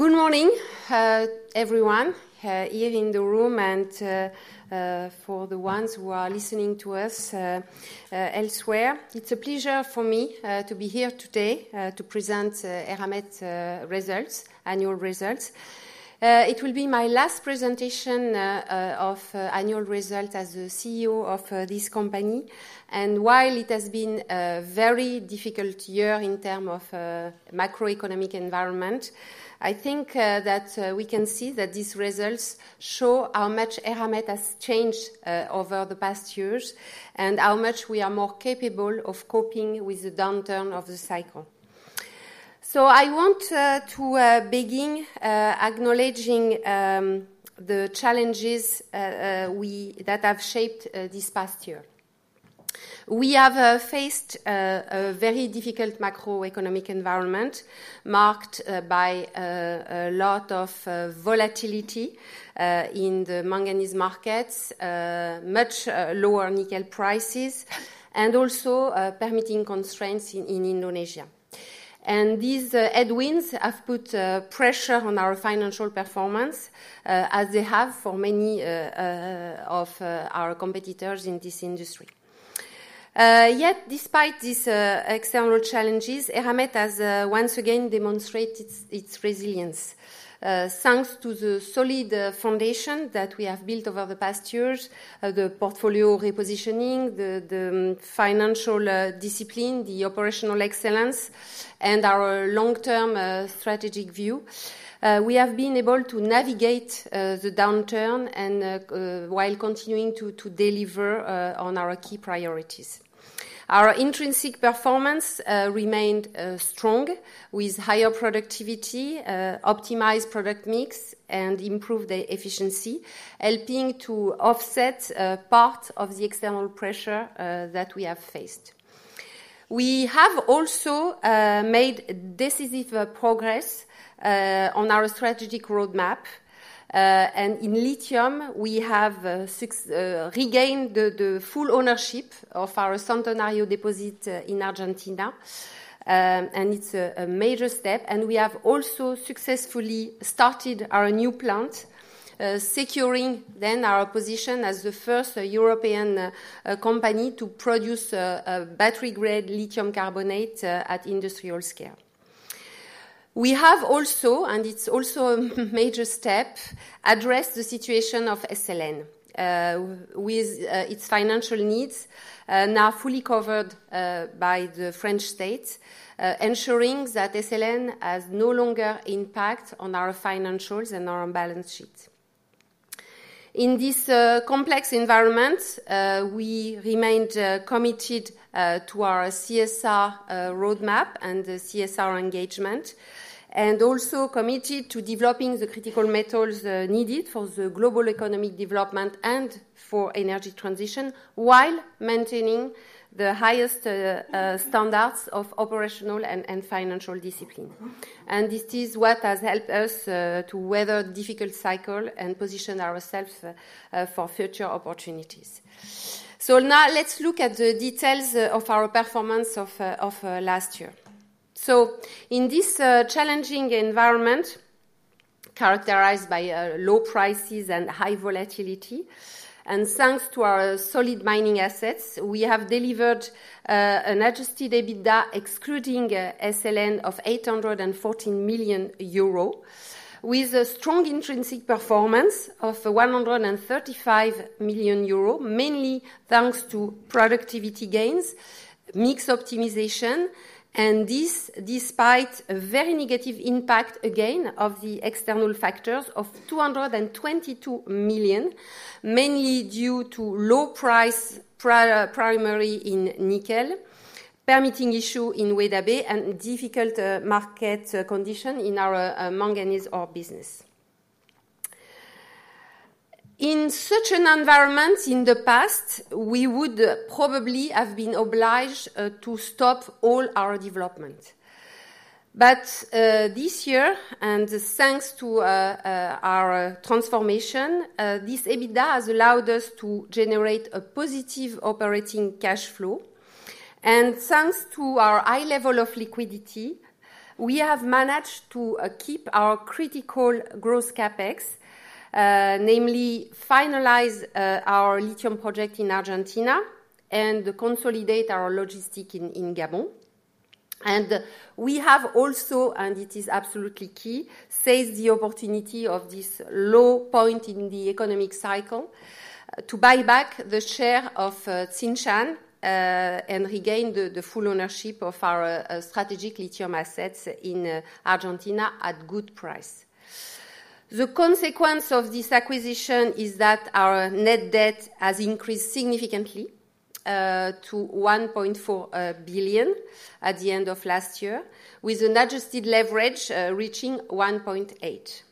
Good morning, everyone, here in the room, and for the ones who are listening to us elsewhere. It's a pleasure for me to be here today to present Eramet's results, annual results. It will be my last presentation of annual results as the CEO of this company, and while it has been a very difficult year in terms of the macroeconomic environment, I think that we can see that these results show how much Eramet has changed over the past years and how much we are more capable of coping with the downturn of the cycle, so I want to begin acknowledging the challenges that have shaped this past year. We have faced a very difficult macroeconomic environment marked by a lot of volatility in the manganese markets, much lower nickel prices, and also permitting constraints in Indonesia. These headwinds have put pressure on our financial performance, as they have for many of our competitors in this industry. Yet, despite these external challenges, Eramet has once again demonstrated its resilience, thanks to the solid foundation that we have built over the past years: the portfolio repositioning, the financial discipline, the operational excellence, and our long-term strategic view. We have been able to navigate the downturn while continuing to deliver on our key priorities. Our intrinsic performance remained strong, with higher productivity, optimized product mix, and improved efficiency, helping to offset part of the external pressure that we have faced. We have also made decisive progress on our strategic roadmap. In lithium, we have regained the full ownership of our Centenario deposit in Argentina, and it's a major step. And we have also successfully started our new plant, securing then our position as the first European company to produce battery-grade lithium carbonate at industrial scale. We have also, and it's also a major step, addressed the situation of SLN, with its financial needs now fully covered by the French state, ensuring that SLN has no longer an impact on our financials and our balance sheet. In this complex environment, we remained committed to our CSR roadmap and the CSR engagement, and also committed to developing the critical metals needed for the global economic development and for energy transition, while maintaining the highest standards of operational and financial discipline. And this is what has helped us to weather difficult cycles and position ourselves for future opportunities. So now let's look at the details of our performance of last year. In this challenging environment, characterized by low prices and high volatility, and thanks to our solid mining assets, we have delivered an Adjusted EBITDA excluding SLN of 814 million euro, with a strong intrinsic performance of 135 million euro, mainly thanks to productivity gains, mix optimization, and this despite a very negative impact, again, of the external factors of 222 million, mainly due to low price primary in nickel, permitting issue in Weda Bay, and difficult market condition in our manganese ore business. In such an environment in the past, we would probably have been obliged to stop all our development. But this year, and thanks to our transformation, this EBITDA has allowed us to generate a positive operating cash flow. And thanks to our high level of liquidity, we have managed to keep our critical gross CapEx, namely finalize our lithium project in Argentina and consolidate our logistics in Gabon. And we have also, and it is absolutely key, seized the opportunity of this low point in the economic cycle to buy back the share of Tsingshan and regain the full ownership of our strategic lithium assets in Argentina at good price. The consequence of this acquisition is that our net debt has increased significantly to 1.4 billion at the end of last year, with an adjusted leverage reaching 1.8.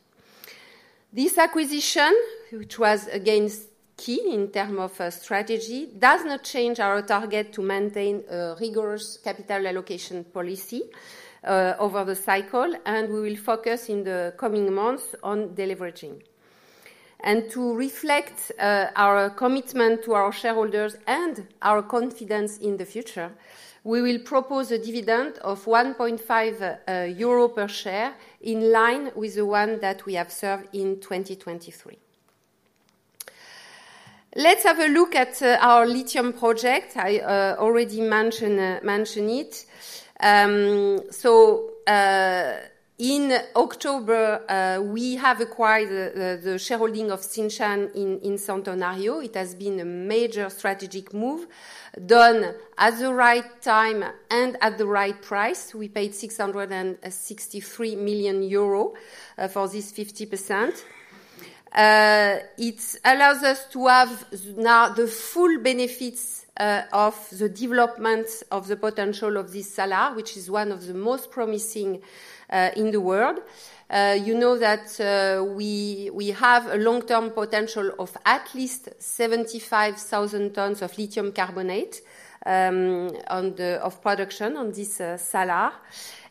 This acquisition, which was again key in terms of strategy, does not change our target to maintain a rigorous capital allocation policy over the cycle, and we will focus in the coming months on deleveraging. And to reflect our commitment to our shareholders and our confidence in the future, we will propose a dividend of 1.5 euro per share in line with the one that we observed in 2023. Let's have a look at our lithium project. I already mentioned it. So in October, we have acquired the shareholding of Tsingshan in Centenario. It has been a major strategic move done at the right time and at the right price. We paid 663 million euro for this 50%. It allows us to have now the full benefits of the development of the potential of this salar, which is one of the most promising in the world. You know that we have a long-term potential of at least 75,000 tons of lithium carbonate of production on this salar.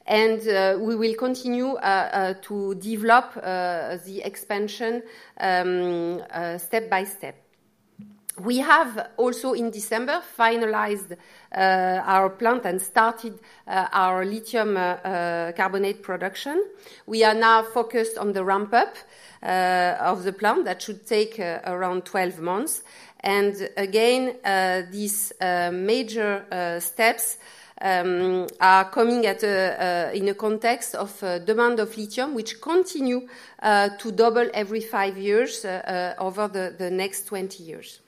And we will continue to develop the expansion step by step. We have also in December finalized our plant and started our lithium carbonate production. We are now focused on the ramp-up of the plant that should take around 12 months. Again, these major steps are coming in a context of demand of lithium, which continues to double every five years over the next 20 years.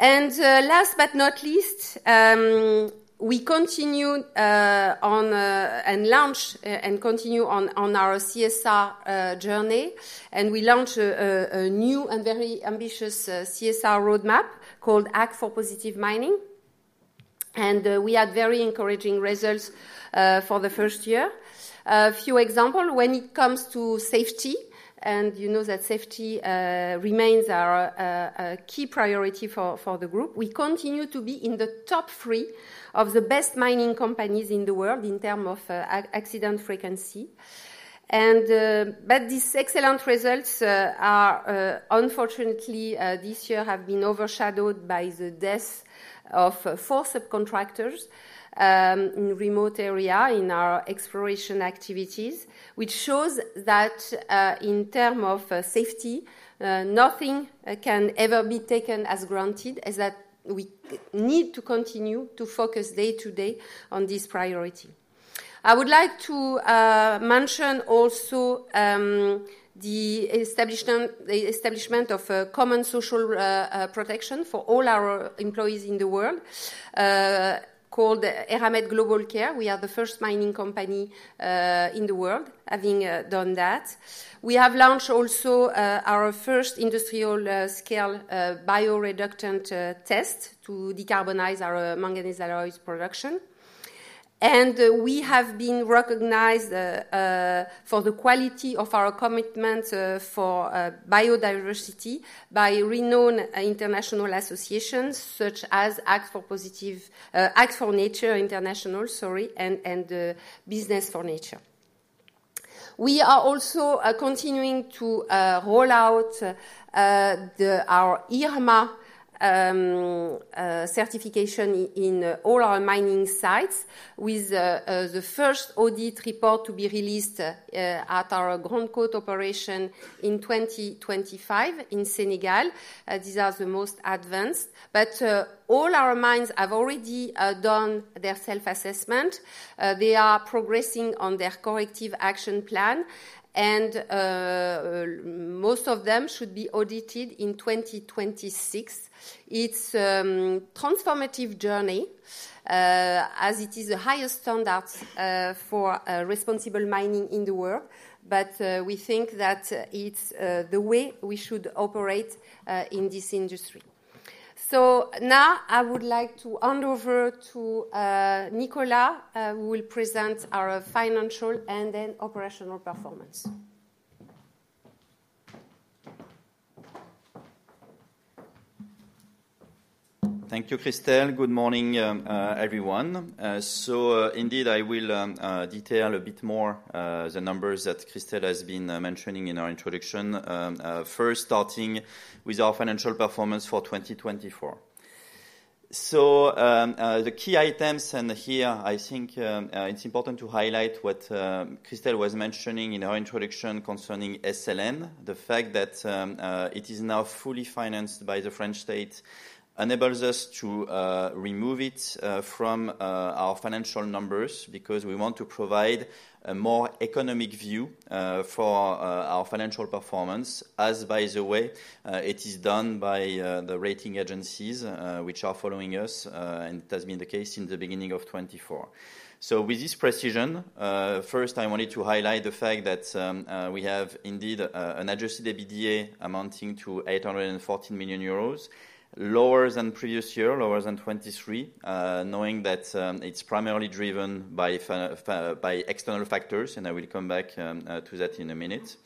Last but not least, we continue on and launch and continue on our CSR journey. We launched a new and very ambitious CSR roadmap called Act for Positive Mining. We had very encouraging results for the first year. A few examples: when it comes to safety, and you know that safety remains our key priority for the group, we continue to be in the top three of the best mining companies in the world in terms of accident frequency. But these excellent results are, unfortunately, this year have been overshadowed by the deaths of four subcontractors in remote areas in our exploration activities, which shows that in terms of safety, nothing can ever be taken for granted, and that we need to continue to focus day to day on this priority. I would like to mention also the establishment of common social protection for all our employees in the world called Eramet Global Care. We are the first mining company in the world having done that. We have launched also our first industrial scale bioreductant test to decarbonize our manganese alloys production. And we have been recognized for the quality of our commitment for biodiversity by renowned international associations such as Act4Nature International, and Business for Nature. We are also continuing to roll out our IRMA certification in all our mining sites, with the first audit report to be released at our Grande Côte operation in 2025 in Senegal. These are the most advanced. But all our mines have already done their self-assessment. They are progressing on their corrective action plan, and most of them should be audited in 2026. It's a transformative journey as it is the highest standard for responsible mining in the world, but we think that it's the way we should operate in this industry. So now I would like to hand over to Nicolas, who will present our financial and then operational performance. Thank you, Christel. Good morning, everyone. So indeed, I will detail a bit more the numbers that Christel has been mentioning in our introduction, first starting with our financial performance for 2024. So the key items, and here I think it's important to highlight what Christel was mentioning in our introduction concerning SLN, the fact that it is now fully financed by the French State enables us to remove it from our financial numbers because we want to provide a more economic view for our financial performance, and by the way, it is done by the rating agencies which are following us, and it has been the case since the beginning of 2024. With this precision, first, I wanted to highlight the fact that we have indeed an adjusted EBITDA amounting to 814 million euros, lower than previous year, lower than 2023, knowing that it's primarily driven by external factors, and I will come back to that in a minute.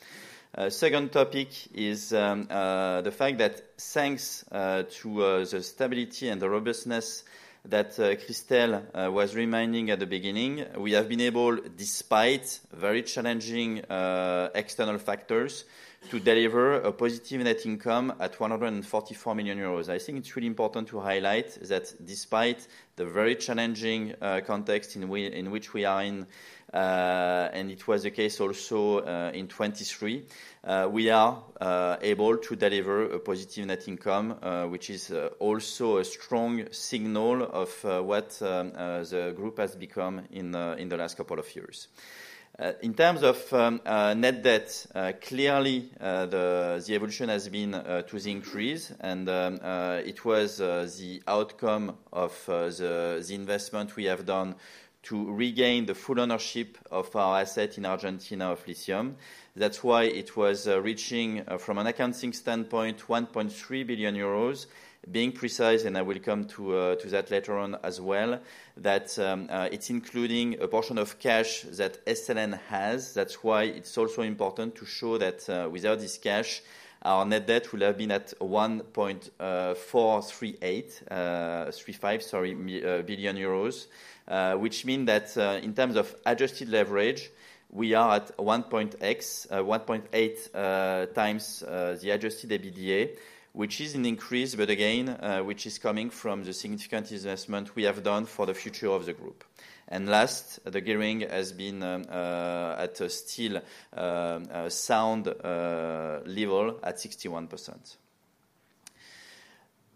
Second topic is the fact that thanks to the stability and the robustness that Christel was reminding at the beginning, we have been able, despite very challenging external factors, to deliver a positive net income at 144 million euros. I think it's really important to highlight that despite the very challenging context in which we are in, and it was the case also in 2023, we are able to deliver a positive net income, which is also a strong signal of what the group has become in the last couple of years. In terms of net debt, clearly, the evolution has been to the increase, and it was the outcome of the investment we have done to regain the full ownership of our asset in Argentina of lithium. That's why it was reaching, from an accounting standpoint, 1.3 billion euros, being precise, and I will come to that later on as well, that it's including a portion of cash that SLN has. That's why it's also important to show that without this cash, our net debt would have been at 1.4 billion euros, which means that in terms of adjusted leverage, we are at 1.8 times the adjusted EBITDA, which is an increase, but again, which is coming from the significant investment we have done for the future of the group. Last, the gearing has been at a still sound level at 61%.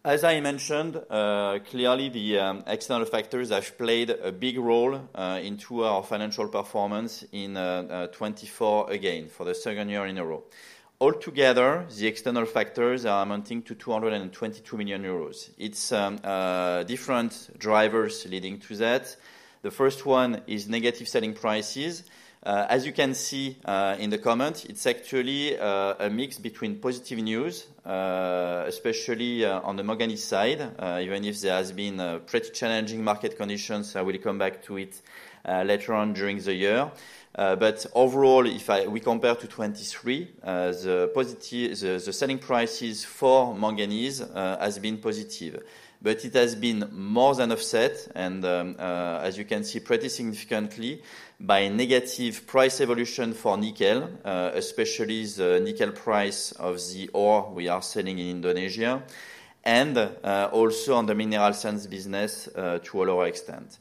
As I mentioned, clearly, the external factors have played a big role in our financial performance in 2024 again for the second year in a row. Altogether, the external factors are amounting to 222 million euros. It's different drivers leading to that. The first one is negative selling prices. As you can see in the comments, it's actually a mix between positive news, especially on the manganese side, even if there has been pretty challenging market conditions. I will come back to it later on during the year. But overall, if we compare to 2023, the selling prices for manganese have been positive, but it has been more than offset, and as you can see, pretty significantly by negative price evolution for nickel, especially the price of the nickel ore we are selling in Indonesia, and also on the mineral sands business to a lower extent.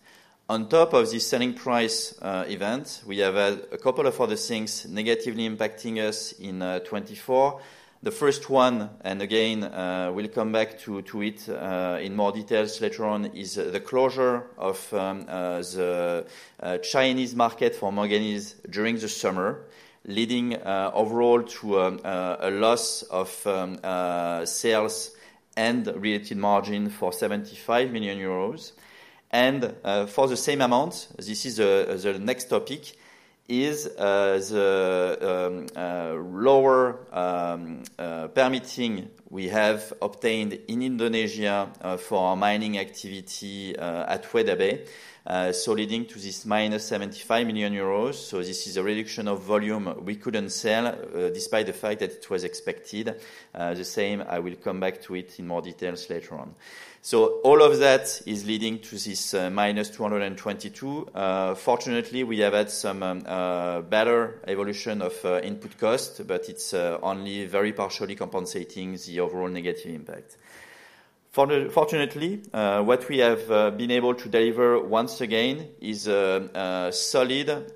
On top of this selling price event, we have a couple of other things negatively impacting us in 2024. The first one, and again, we'll come back to it in more details later on, is the closure of the Chinese market for manganese during the summer, leading overall to a loss of sales and relative margin for 75 million euros, and for the same amount, this is the next topic, is the lower permitting we have obtained in Indonesia for our mining activity at Weda Bay, so leading to this -75 million euros. This is a reduction of volume we couldn't sell despite the fact that it was expected. The same, I will come back to it in more details later on. All of that is leading to this -222. Fortunately, we have had some better evolution of input cost, but it's only very partially compensating the overall negative impact. Fortunately, what we have been able to deliver once again is solid,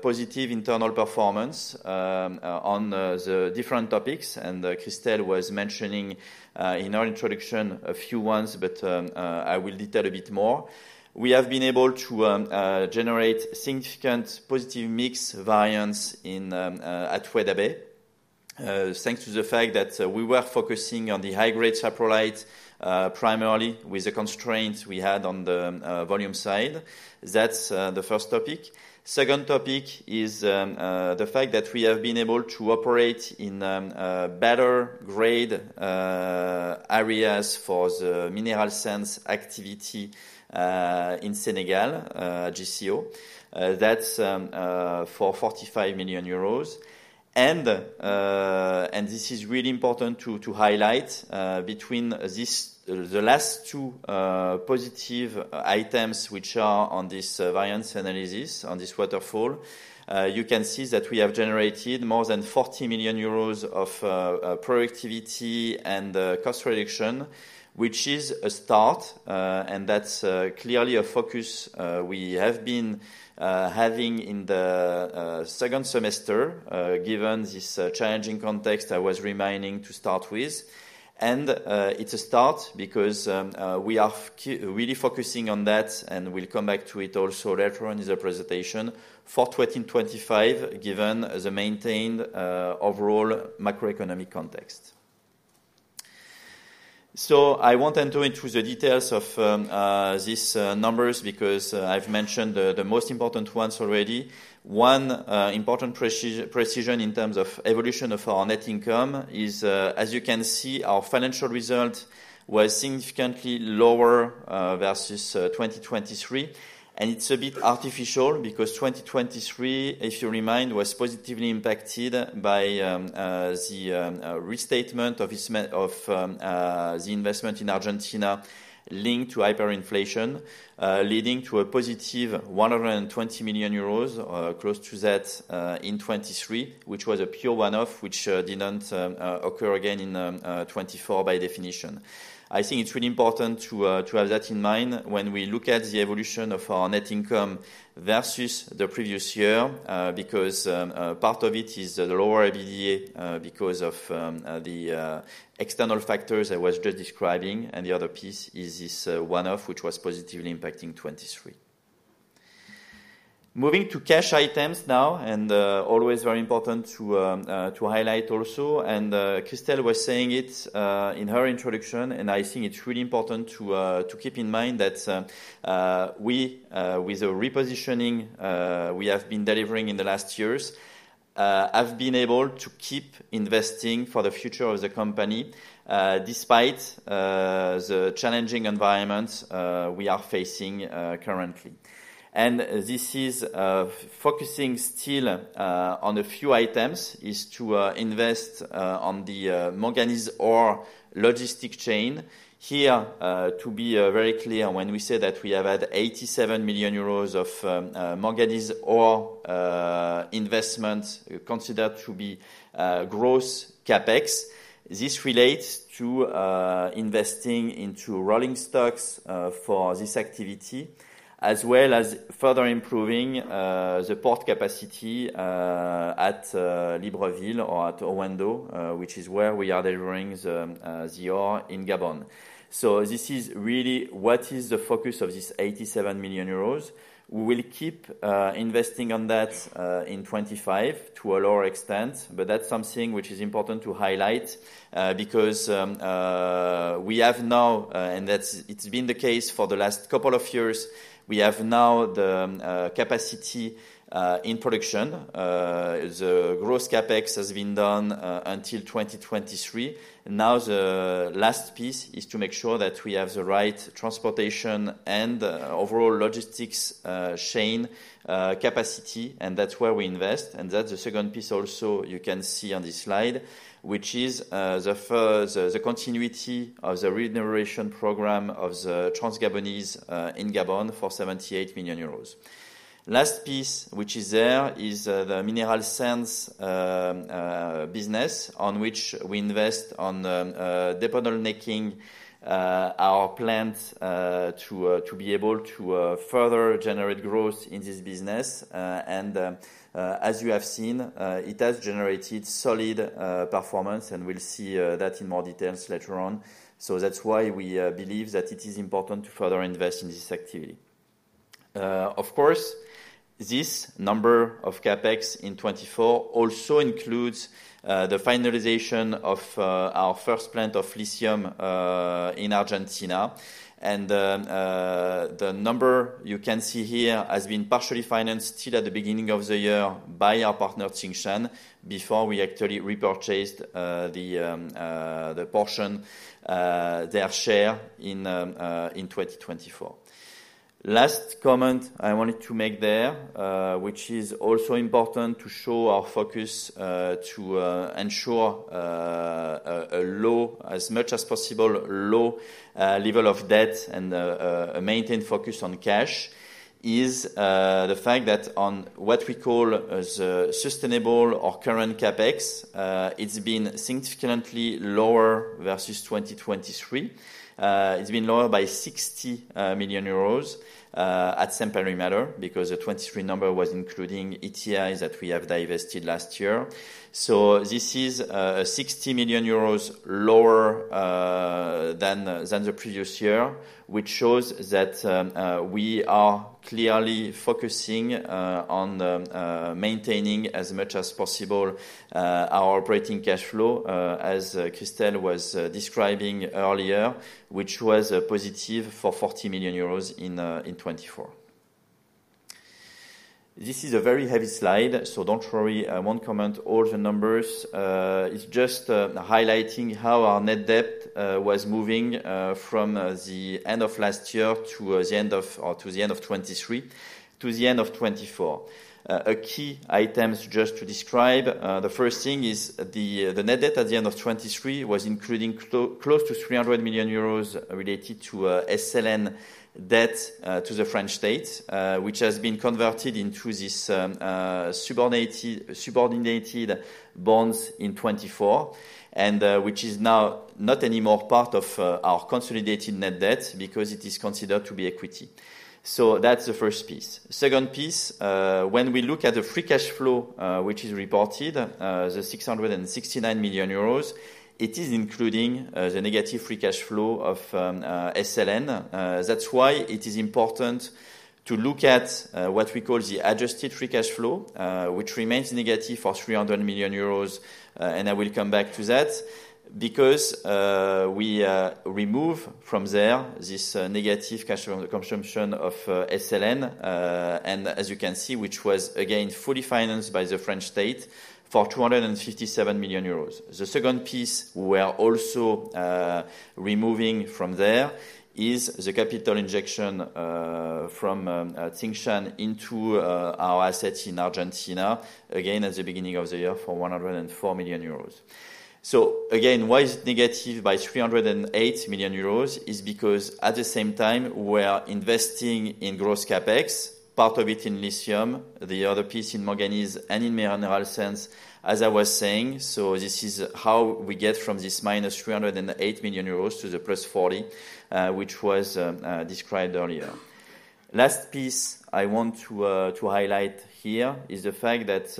positive internal performance on the different topics, and Christel was mentioning in our introduction a few ones, but I will detail a bit more. We have been able to generate significant positive mix variance at Weda Bay, thanks to the fact that we were focusing on the high-grade saprolite primarily with the constraints we had on the volume side. That's the first topic. Second topic is the fact that we have been able to operate in better-grade areas for the mineral sands activity in Senegal, GCO. That's for 45 million euros. This is really important to highlight between the last two positive items which are on this variance analysis, on this waterfall. You can see that we have generated more than 40 million euros of productivity and cost reduction, which is a start, and that's clearly a focus we have been having in the second semester, given this challenging context I was reminding to start with. It's a start because we are really focusing on that, and we'll come back to it also later on in the presentation for 2025, given the maintained overall macroeconomic context. I won't enter into the details of these numbers because I've mentioned the most important ones already. One important precision in terms of evolution of our net income is, as you can see, our financial result was significantly lower versus 2023. It's a bit artificial because 2023, if you remember, was positively impacted by the restatement of the investment in Argentina linked to hyperinflation, leading to a positive 120 million euros, close to that in 2023, which was a pure one-off, which didn't occur again in 2024 by definition. I think it's really important to have that in mind when we look at the evolution of our net income versus the previous year because part of it is the lower EBITDA because of the external factors I was just describing, and the other piece is this one-off, which was positively impacting 2023. Moving to cash items now, and always very important to highlight also, and Christel was saying it in her introduction, and I think it's really important to keep in mind that we, with the repositioning we have been delivering in the last years, have been able to keep investing for the future of the company despite the challenging environments we are facing currently. And this is focusing still on a few items is to invest on the manganese ore logistics chain. Here, to be very clear, when we say that we have had 87 million euros of manganese ore investments considered to be gross CapEx, this relates to investing into rolling stocks for this activity, as well as further improving the port capacity at Libreville or at Owendo, which is where we are delivering the ore in Gabon. So this is really what is the focus of this 87 million euros. We will keep investing on that in 2025 to a lower extent, but that's something which is important to highlight because we have now, and it's been the case for the last couple of years, we have now the capacity in production. The gross CapEx has been done until 2023. Now the last piece is to make sure that we have the right transportation and overall logistics chain capacity, and that's where we invest. That's the second piece also you can see on this slide, which is the continuity of the regeneration program of the Transgabonais in Gabon for 78 million euros. Last piece which is there is the mineral sands business on which we invest in deepening our plant to be able to further generate growth in this business. As you have seen, it has generated solid performance, and we'll see that in more details later on. So that's why we believe that it is important to further invest in this activity. Of course, this number of CapEx in 2024 also includes the finalization of our first plant of lithium in Argentina. And the number you can see here has been partially financed still at the beginning of the year by our partner Tsingshan before we actually repurchased the portion, their share in 2024. Last comment I wanted to make there, which is also important to show our focus to ensure a low, as much as possible, low level of debt and a maintained focus on cash, is the fact that on what we call as sustainable or current CapEx, it's been significantly lower versus 2023. It's been lower by 60 million euros which is very material because the 2023 number was including ETIs that we have divested last year. So this is 60 million euros lower than the previous year, which shows that we are clearly focusing on maintaining as much as possible our operating cash flow, as Christel was describing earlier, which was positive for 40 million euros in 2024. This is a very heavy slide, so don't worry, I won't comment all the numbers. It's just highlighting how our net debt was moving from the end of last year to the end of 2023 to the end of 2024. A key item just to describe, the first thing is the net debt at the end of 2023 was including close to 300 million euros related to SLN debt to the French state, which has been converted into this subordinated bonds in 2024, and which is now not anymore part of our consolidated net debt because it is considered to be equity. So that's the first piece. Second piece, when we look at the free cash flow, which is reported, the 669 million euros, it is including the negative free cash flow of SLN. That's why it is important to look at what we call the adjusted free cash flow, which remains negative for 300 million euros, and I will come back to that because we remove from there this negative cash flow consumption of SLN, and as you can see, which was again fully financed by the French state for 257 million euros. The second piece we are also removing from there is the capital injection from Tsingshan into our assets in Argentina, again at the beginning of the year for 104 million euros. So again, why is it negative by 308 million euros? It's because at the same time, we are investing in gross CapEx, part of it in lithium, the other piece in manganese and in mineral sands, as I was saying. So this is how we get from this -308 million euros to the +40 million, which was described earlier. Last piece I want to highlight here is the fact that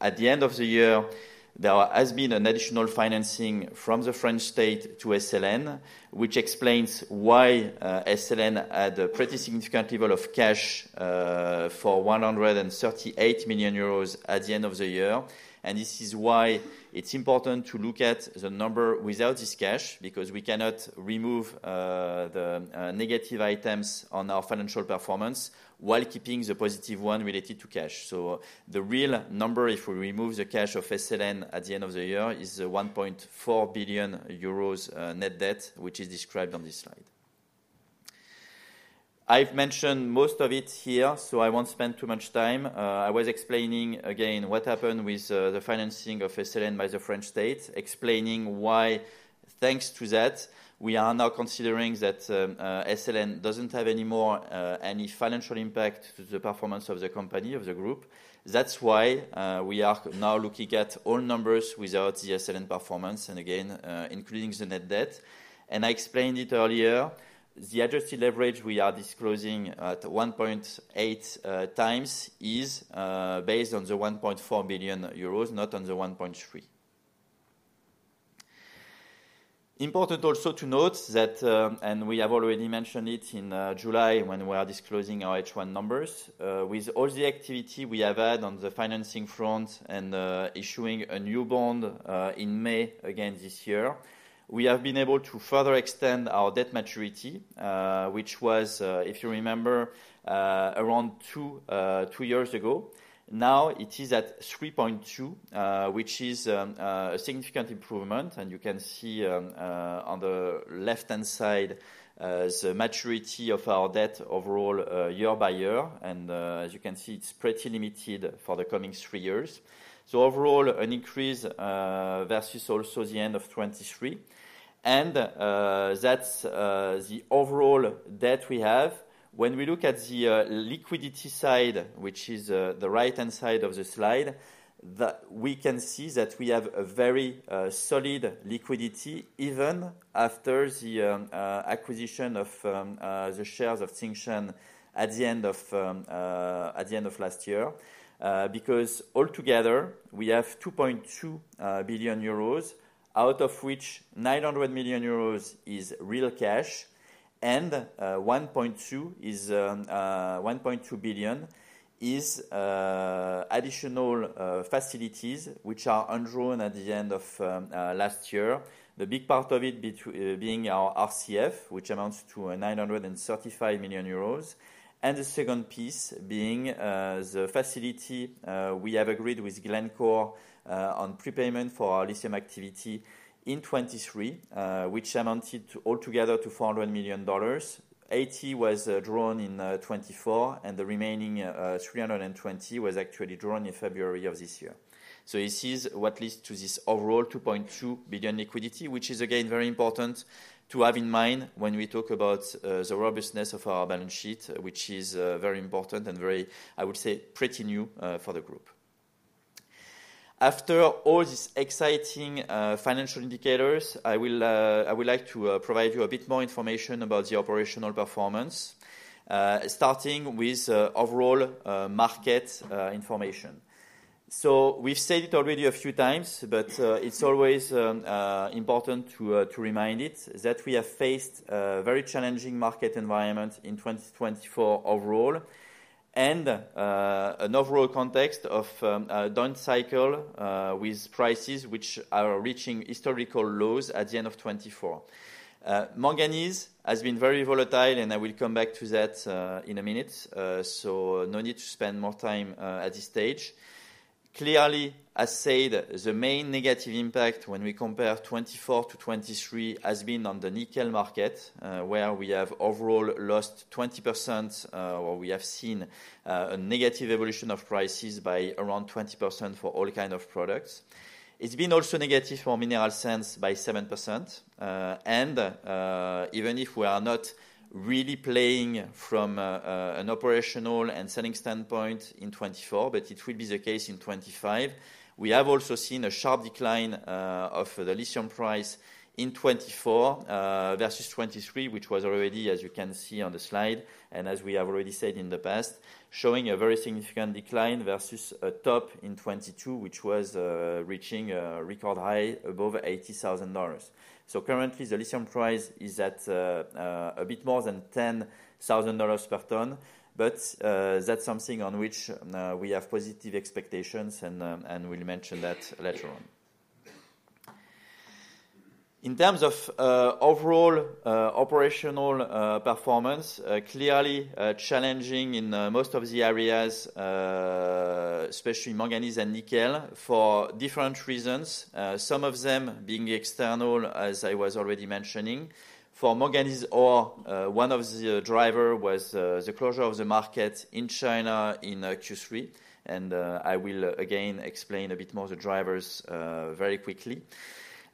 at the end of the year, there has been an additional financing from the French state to SLN, which explains why SLN had a pretty significant level of cash for 138 million euros at the end of the year, and this is why it's important to look at the number without this cash because we cannot remove the negative items on our financial performance while keeping the positive one related to cash. The real number, if we remove the cash of SLN at the end of the year, is 1.4 billion euros net debt, which is described on this slide. I've mentioned most of it here, so I won't spend too much time. I was explaining again what happened with the financing of SLN by the French state, explaining why thanks to that, we are now considering that SLN doesn't have anymore any financial impact to the performance of the company, of the group. That's why we are now looking at all numbers without the SLN performance, and again, including the net debt. I explained it earlier, the adjusted leverage we are disclosing at 1.8 times is based on the 1.4 billion euros, not on the 1.3. Important also to note that, and we have already mentioned it in July when we are disclosing our H1 numbers, with all the activity we have had on the financing front and issuing a new bond in May again this year, we have been able to further extend our debt maturity, which was, if you remember, around two years ago. Now it is at 3.2, which is a significant improvement, and you can see on the left-hand side the maturity of our debt overall year by year, and as you can see, it's pretty limited for the coming three years. So overall, an increase versus also the end of 2023, and that's the overall debt we have. When we look at the liquidity side, which is the right-hand side of the slide, we can see that we have a very solid liquidity even after the acquisition of the shares of Tsingshan at the end of last year because altogether, we have 2.2 billion euros, out of which 900 million euros is real cash, and 1.2 billion is additional facilities which are undrawn at the end of last year. The big part of it being our RCF, which amounts to 935 million euros, and the second piece being the facility we have agreed with Glencore on prepayment for our lithium activity in 2023, which amounted altogether to $400 million. $80 million was drawn in 2024, and the remaining $320 million was actually drawn in February of this year. So this is what leads to this overall 2.2 billion liquidity, which is again very important to have in mind when we talk about the robustness of our balance sheet, which is very important and very, I would say, pretty new for the group. After all these exciting financial indicators, I would like to provide you a bit more information about the operational performance, starting with overall market information. So we've said it already a few times, but it's always important to remind it that we have faced a very challenging market environment in 2024 overall, and an overall context of down cycle with prices which are reaching historical lows at the end of 2024. Manganese has been very volatile, and I will come back to that in a minute, so no need to spend more time at this stage. Clearly, as said, the main negative impact when we compare 2024 to 2023 has been on the nickel market, where we have overall lost 20%, or we have seen a negative evolution of prices by around 20% for all kinds of products. It's been also negative for mineral sands by 7%, and even if we are not really playing from an operational and selling standpoint in 2024, but it will be the case in 2025, we have also seen a sharp decline of the lithium price in 2024 versus 2023, which was already, as you can see on the slide, and as we have already said in the past, showing a very significant decline versus a top in 2022, which was reaching a record high above $80,000. So currently, the lithium price is at a bit more than $10,000 per ton, but that's something on which we have positive expectations, and we'll mention that later on. In terms of overall operational performance, clearly challenging in most of the areas, especially manganese and nickel, for different reasons, some of them being external, as I was already mentioning. For manganese ore, one of the drivers was the closure of the market in China in Q3, and I will again explain a bit more the drivers very quickly.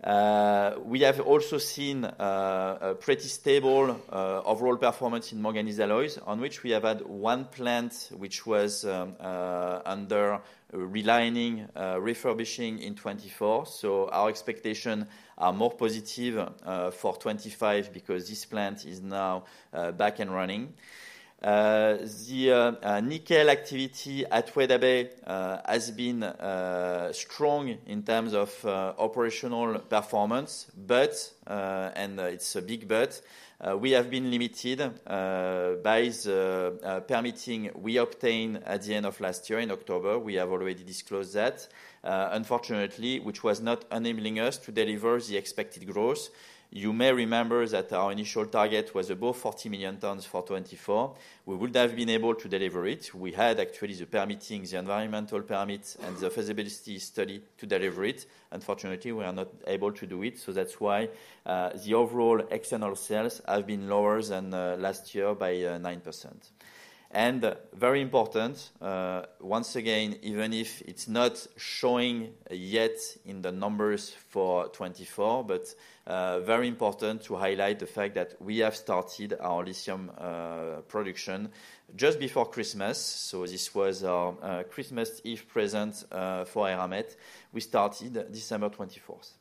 We have also seen a pretty stable overall performance in manganese alloys, on which we have had one plant which was under relining refurbishing in 2024. So our expectations are more positive for 2025 because this plant is now back and running. The nickel activity at Weda Bay has been strong in terms of operational performance, but, and it's a big but, we have been limited by permits we obtained at the end of last year in October. We have already disclosed that, unfortunately, which was not enabling us to deliver the expected growth. You may remember that our initial target was above 40 million tons for 2024. We would have been able to deliver it. We had actually the permits, the environmental permits, and the feasibility study to deliver it. Unfortunately, we are not able to do it. So that's why the overall external sales have been lower than last year by 9%. And very important, once again, even if it's not showing yet in the numbers for 2024, but very important to highlight the fact that we have started our lithium production just before Christmas. So this was our Christmas Eve present for Eramet. We started December 24th.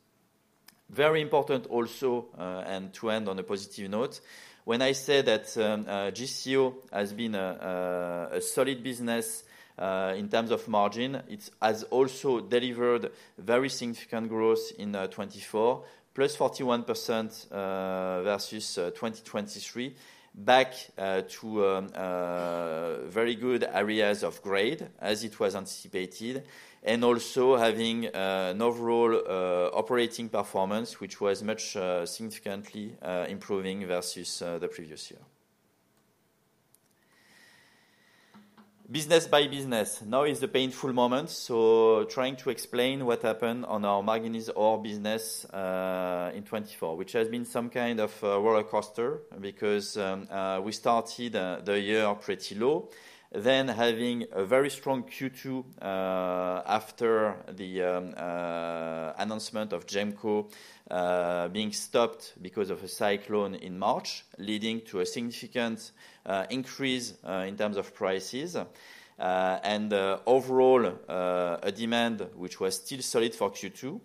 Very important also, and to end on a positive note, when I say that GCO has been a solid business in terms of margin, it has also delivered very significant growth in 2024, +41% versus 2023, back to very good areas of grade, as it was anticipated, and also having an overall operating performance, which was much significantly improving versus the previous year. Business by business. Now is the painful moment. Trying to explain what happened on our manganese ore business in 2024, which has been some kind of roller coaster because we started the year pretty low, then having a very strong Q2 after the announcement of GEMCO being stopped because of a cyclone in March, leading to a significant increase in terms of prices, and overall a demand which was still solid for Q2.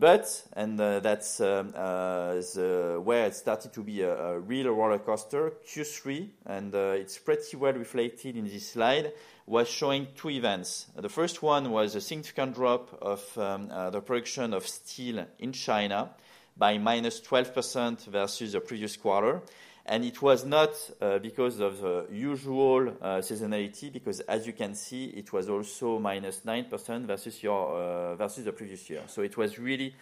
But, and that's where it started to be a real roller coaster, Q3, and it's pretty well reflected in this slide, was showing two events. The first one was a significant drop of the production of steel in China by -12% versus the previous quarter. And it was not because of the usual seasonality, because as you can see, it was also -9% versus the previous year. So it was really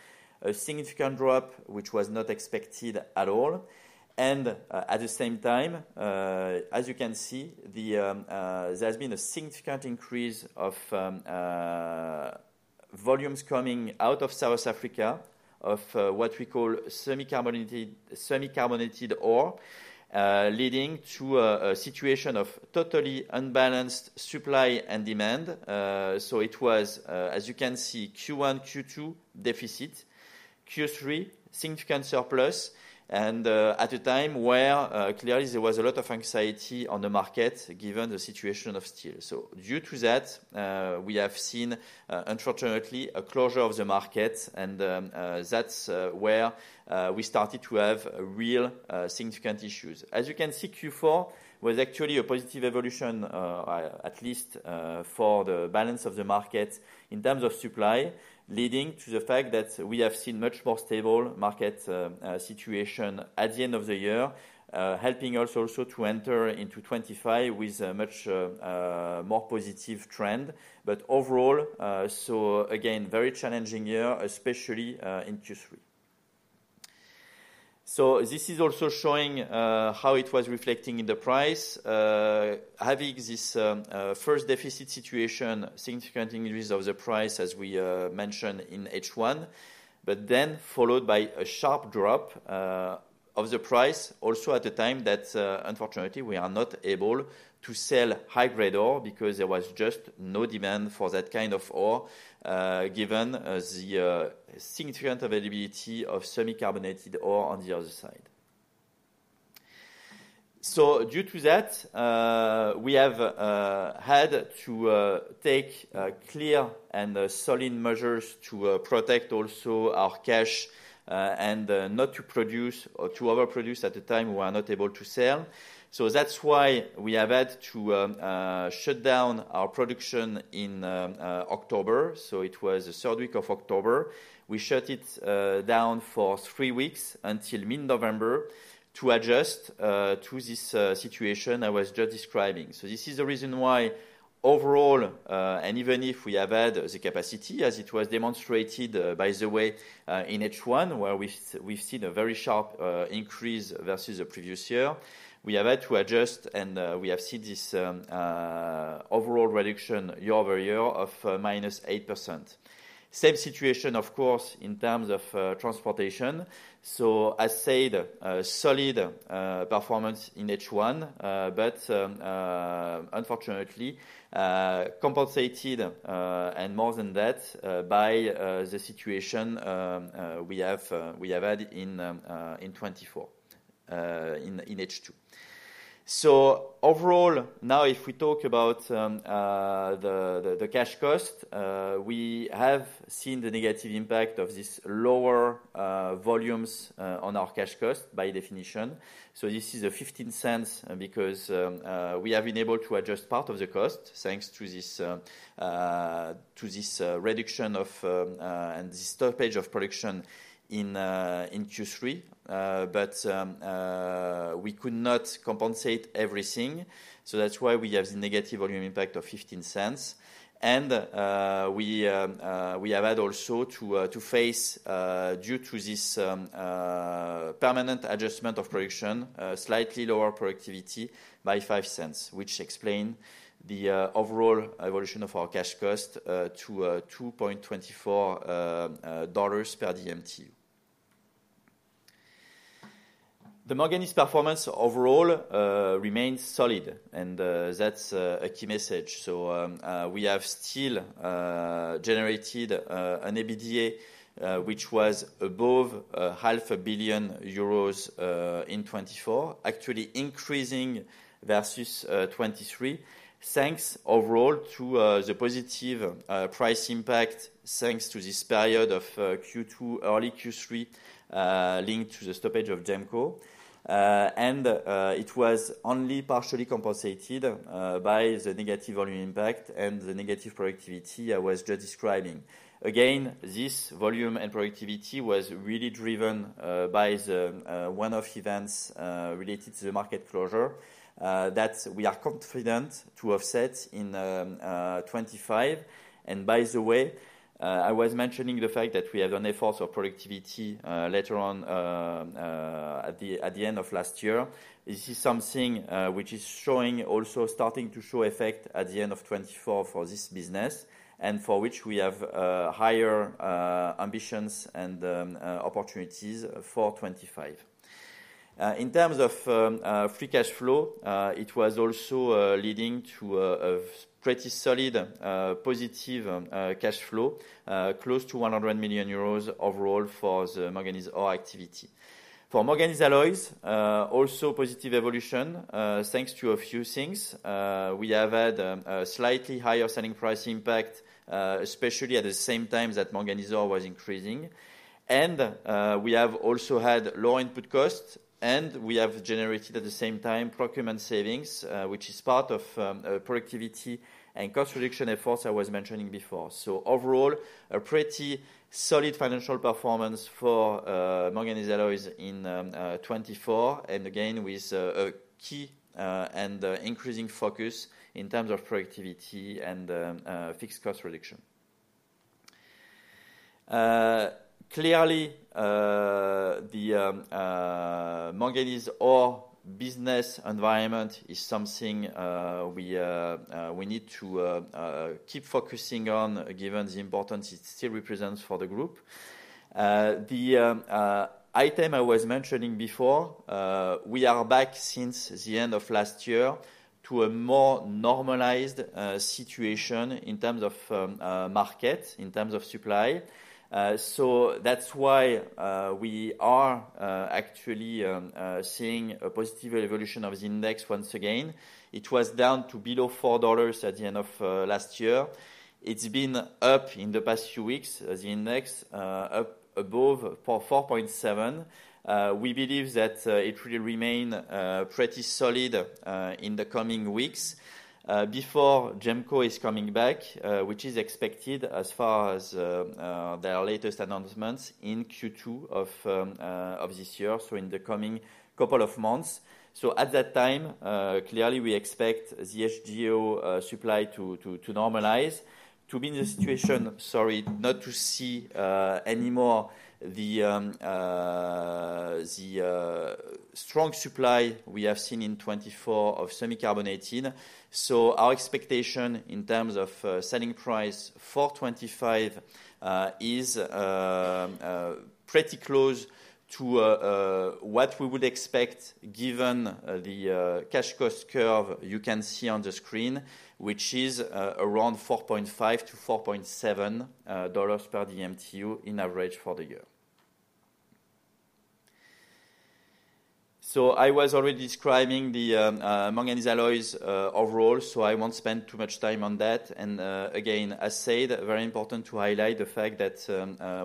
a significant drop, which was not expected at all. And at the same time, as you can see, there has been a significant increase of volumes coming out of South Africa of what we call semi-carbonate ore, leading to a situation of totally unbalanced supply and demand. So it was, as you can see, Q1, Q2 deficit, Q3 significant surplus, and at a time where clearly there was a lot of anxiety on the market given the situation of steel. So due to that, we have seen, unfortunately, a closure of the market, and that's where we started to have real significant issues. As you can see, Q4 was actually a positive evolution, at least for the balance of the market in terms of supply, leading to the fact that we have seen much more stable market situation at the end of the year, helping us also to enter into 2025 with a much more positive trend. But overall, so again, very challenging year, especially in Q3. So this is also showing how it was reflecting in the price, having this first deficit situation, significant increase of the price, as we mentioned in H1, but then followed by a sharp drop of the price, also at a time that, unfortunately, we are not able to sell high-grade ore because there was just no demand for that kind of ore, given the significant availability of semi-carbonate ore on the other side. So due to that, we have had to take clear and solid measures to protect also our cash and not to produce or to overproduce at a time we are not able to sell. So that's why we have had to shut down our production in October. So it was the third week of October. We shut it down for three weeks until mid-November to adjust to this situation I was just describing. So this is the reason why overall, and even if we have had the capacity, as it was demonstrated by the way in H1, where we've seen a very sharp increase versus the previous year, we have had to adjust, and we have seen this overall reduction year-over-year of -8%. Same situation, of course, in terms of transportation. So as said, solid performance in H1, but unfortunately, compensated and more than that by the situation we have had in 2024 in H2. So overall, now if we talk about the cash cost, we have seen the negative impact of this lower volumes on our cash cost by definition. So this is $0.15 because we have been able to adjust part of the cost thanks to this reduction and this stoppage of production in Q3, but we could not compensate everything. So that's why we have the negative volume impact of $0.15. And we have had also to face, due to this permanent adjustment of production, slightly lower productivity by $0.05, which explains the overall evolution of our cash cost to $2.24 per DMT. The manganese performance overall remains solid, and that's a key message. So we have still generated an EBITDA, which was above 500 million euros in 2024, actually increasing versus 2023, thanks overall to the positive price impact, thanks to this period of Q2, early Q3, linked to the stoppage of GEMCO. And it was only partially compensated by the negative volume impact and the negative productivity I was just describing. Again, this volume and productivity was really driven by one of the events related to the market closure that we are confident to offset in 2025, and by the way, I was mentioning the fact that we have an effort of productivity later on at the end of last year. This is something which is showing effect at the end of 2024 for this business, and for which we have higher ambitions and opportunities for 2025. In terms of free cash flow, it was also leading to a pretty solid positive cash flow, close to 100 million euros overall for the manganese ore activity. For manganese alloys, also positive evolution thanks to a few things. We have had a slightly higher selling price impact, especially at the same time that manganese ore was increasing. We have also had lower input costs, and we have generated at the same time procurement savings, which is part of productivity and cost reduction efforts I was mentioning before. So overall, a pretty solid financial performance for manganese alloys in 2024, and again with a key and increasing focus in terms of productivity and fixed cost reduction. Clearly, the manganese ore business environment is something we need to keep focusing on given the importance it still represents for the group. The item I was mentioning before, we are back since the end of last year to a more normalized situation in terms of market, in terms of supply. So that's why we are actually seeing a positive evolution of the index once again. It was down to below $4 at the end of last year. It's been up in the past few weeks, the index, up above $4.7. We believe that it will remain pretty solid in the coming weeks before GEMCO is coming back, which is expected as far as their latest announcements in Q2 of this year, so in the coming couple of months. At that time, clearly, we expect the HGO supply to normalize, to be in the situation, sorry, not to see anymore the strong supply we have seen in 2024 of semi-carbonate. Our expectation in terms of selling price for 2025 is pretty close to what we would expect given the cash cost curve you can see on the screen, which is around $4.5-$4.7 per DMTU in average for the year. I was already describing the manganese alloys overall, so I won't spend too much time on that. Again, as said, very important to highlight the fact that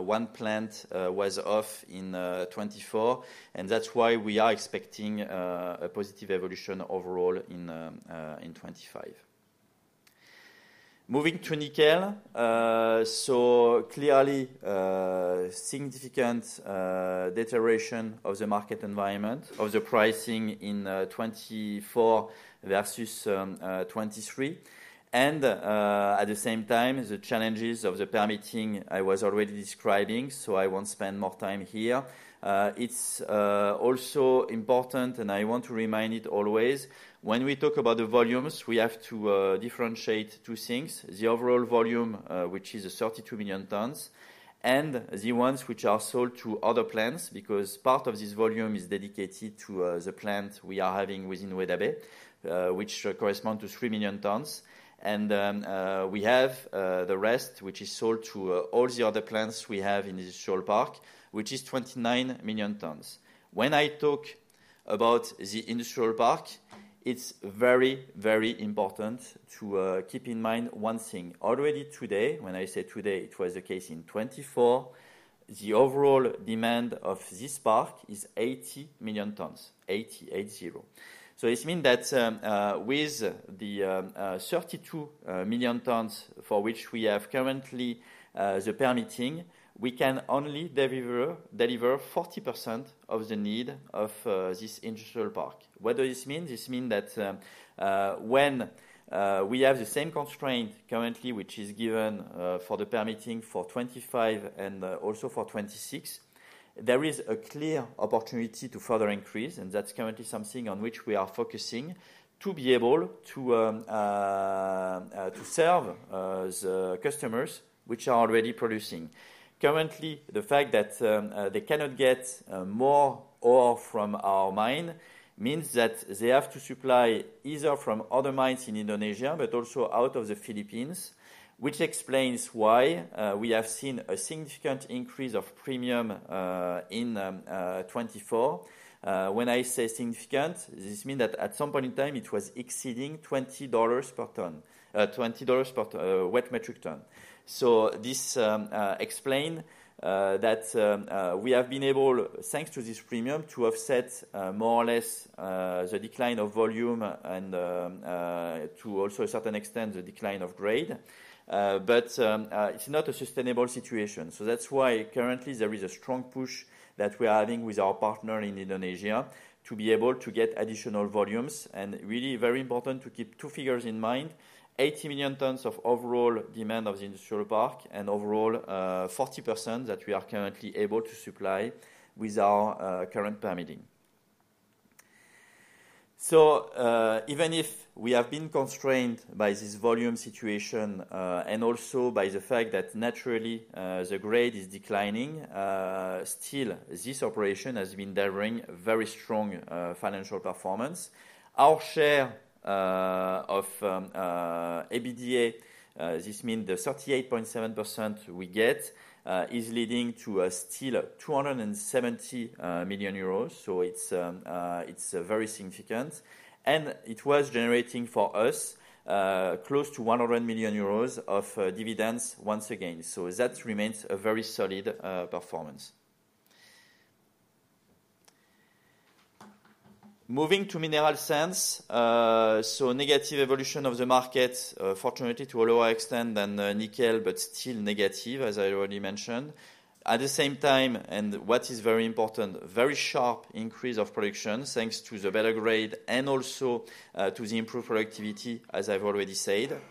one plant was off in 2024, and that's why we are expecting a positive evolution overall in 2025. Moving to nickel, so clearly, significant deterioration of the market environment of the pricing in 2024 versus 2023. And at the same time, the challenges of the permitting I was already describing, so I won't spend more time here. It's also important, and I want to remind it always, when we talk about the volumes, we have to differentiate two things. The overall volume, which is 32 million tons, and the ones which are sold to other plants, because part of this volume is dedicated to the plant we are having within Weda Bay, which corresponds to 3 million tons. We have the rest, which is sold to all the other plants we have in the industrial park, which is 29 million tons. When I talk about the industrial park, it's very, very important to keep in mind one thing. Already today, when I say today, it was the case in 2024, the overall demand of this park is 80 million tons, 80, eight zero. So this means that with the 32 million tons for which we have currently the permitting, we can only deliver 40% of the need of this industrial park. What does this mean? This means that when we have the same constraint currently, which is given for the permitting for 2025 and also for 2026, there is a clear opportunity to further increase, and that's currently something on which we are focusing to be able to serve the customers which are already producing. Currently, the fact that they cannot get more ore from our mine means that they have to supply either from other mines in Indonesia, but also out of the Philippines, which explains why we have seen a significant increase of premium in 2024. When I say significant, this means that at some point in time, it was exceeding $20 per ton, $20 per wet metric ton. So this explains that we have been able, thanks to this premium, to offset more or less the decline of volume and to also a certain extent the decline of grade. But it's not a sustainable situation. So that's why currently there is a strong push that we are having with our partner in Indonesia to be able to get additional volumes. Really very important to keep two figures in mind: 80 million tons of overall demand of the industrial park and overall 40% that we are currently able to supply with our current permitting. Even if we have been constrained by this volume situation and also by the fact that naturally the grade is declining, still this operation has been delivering very strong financial performance. Our share of EBITDA, this means the 38.7% we get, is leading to a still 270 million euros. It's very significant. It was generating for us close to 100 million euros of dividends once again. That remains a very solid performance. Moving to mineral sands. Negative evolution of the market, fortunately to a lower extent than nickel, but still negative, as I already mentioned. At the same time, and what is very important, very sharp increase of production thanks to the better grade and also to the improved productivity, as I've already said.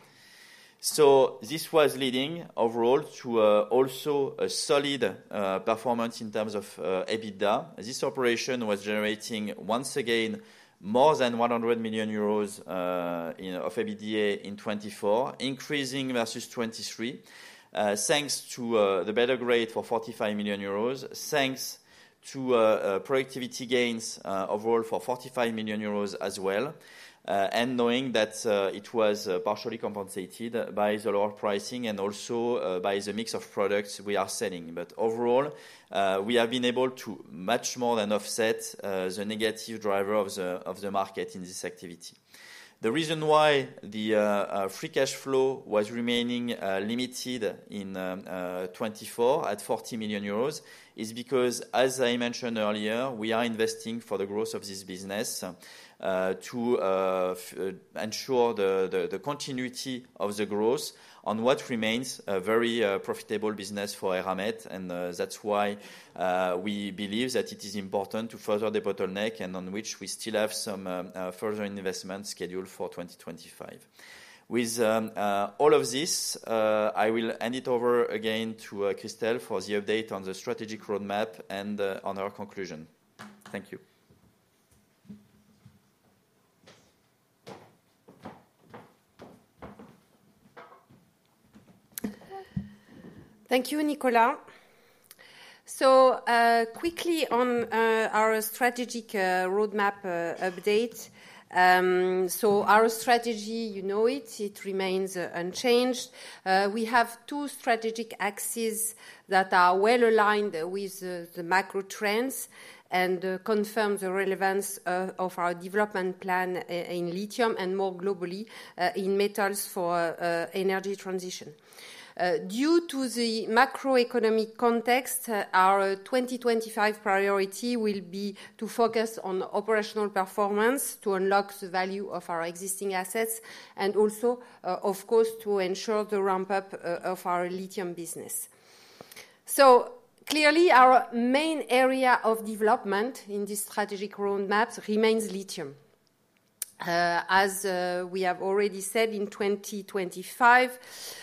So this was leading overall to also a solid performance in terms of EBITDA. This operation was generating once again more than 100 million euros of EBITDA in 2024, increasing versus 2023, thanks to the better grade for 45 million euros, thanks to productivity gains overall for 45 million euros as well. And knowing that it was partially compensated by the lower pricing and also by the mix of products we are selling. But overall, we have been able to much more than offset the negative driver of the market in this activity. The reason why the free cash flow was remaining limited in 2024 at 40 million euros is because, as I mentioned earlier, we are investing for the growth of this business to ensure the continuity of the growth on what remains a very profitable business for Eramet. And that's why we believe that it is important to further the bottleneck and on which we still have some further investment scheduled for 2025. With all of this, I will hand it over again to Christel for the update on the strategic roadmap and on our conclusion. Thank you. Thank you, Nicolas. So quickly on our strategic roadmap update. So our strategy, you know it, it remains unchanged. We have two strategic axes that are well aligned with the macro trends and confirm the relevance of our development plan in lithium and more globally in metals for energy transition. Due to the macroeconomic context, our 2025 priority will be to focus on operational performance to unlock the value of our existing assets and also, of course, to ensure the ramp-up of our lithium business. So clearly, our main area of development in this strategic roadmap remains lithium. As we have already said, in 2025,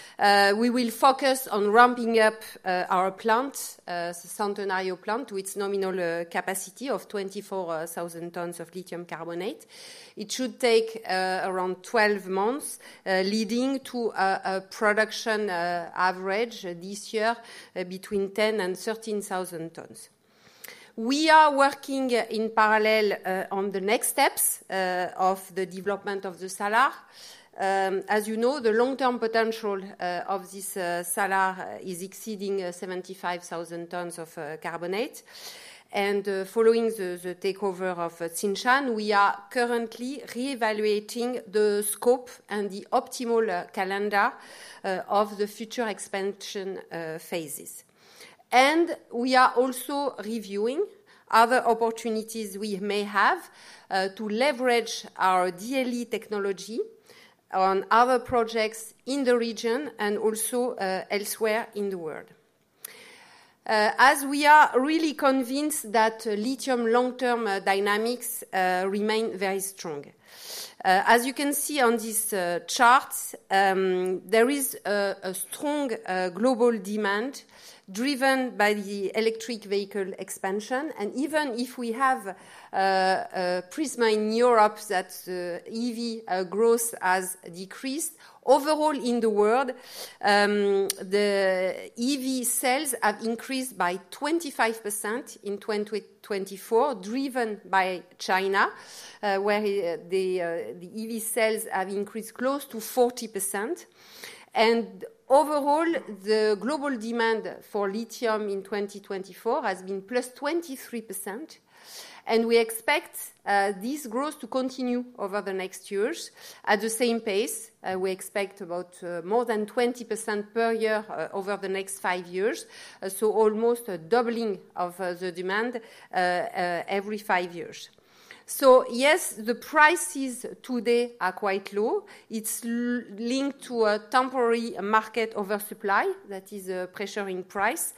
we will focus on ramping up our plant, the Centenario plant, to its nominal capacity of 24,000 tons of lithium carbonate. It should take around 12 months, leading to a production average this year between 10,000 and 13,000 tons. We are working in parallel on the next steps of the development of the salar. As you know, the long-term potential of this salar is exceeding 75,000 tons of carbonate. And following the takeover of Tsingshan, we are currently re-evaluating the scope and the optimal calendar of the future expansion phases. We are also reviewing other opportunities we may have to leverage our DLE technology on other projects in the region and also elsewhere in the world, as we are really convinced that lithium long-term dynamics remain very strong. As you can see on these charts, there is a strong global demand driven by the electric vehicle expansion. Even if we have a prism in Europe that EV growth has decreased, overall in the world, the EV sales have increased by 25% in 2024, driven by China, where the EV sales have increased close to 40%. Overall, the global demand for lithium in 2024 has been +23%. We expect this growth to continue over the next years at the same pace. We expect about more than 20% per year over the next five years, so almost a doubling of the demand every five years. So yes, the prices today are quite low. It's linked to a temporary market oversupply that is pressuring price.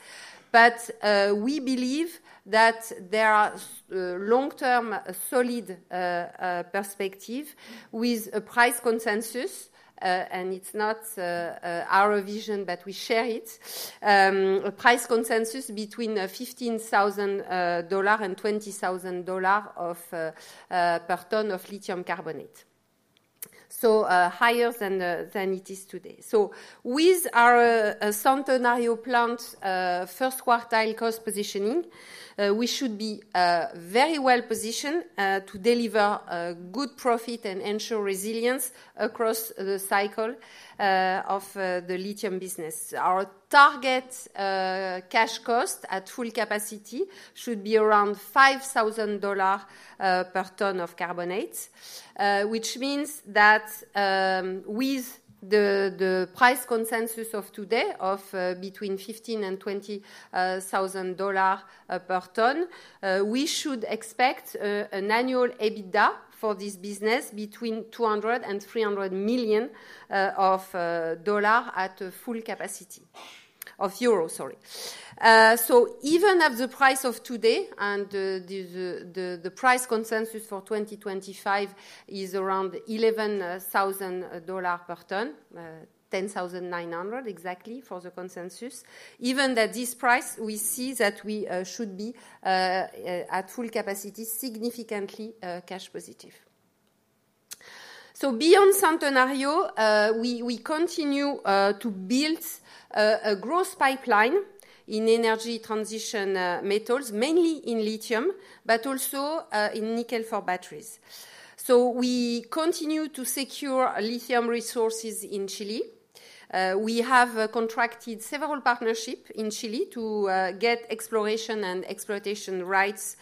But we believe that there are long-term solid perspectives with a price consensus, and it's not our vision, but we share it, a price consensus between $15,000 and $20,000 per ton of lithium carbonate, so higher than it is today. So with our Centenario plant first quartile cost positioning, we should be very well positioned to deliver good profit and ensure resilience across the cycle of the lithium business. Our target cash cost at full capacity should be around $5,000 per ton of carbonate, which means that with the price consensus of today of between $15,000 and $20,000 per ton, we should expect an annual EBITDA for this business between 200,000 and 300,000 of dollars at full capacity of euros, sorry. Even at the price of today, and the price consensus for 2025 is around $11,000 per ton, $10,900 exactly for the consensus. Even at this price, we see that we should be at full capacity significantly cash positive. Beyond Centenario, we continue to build a growth pipeline in energy transition metals, mainly in lithium, but also in nickel for batteries. We continue to secure lithium resources in Chile. We have contracted several partnerships in Chile to get exploration and exploitation rights.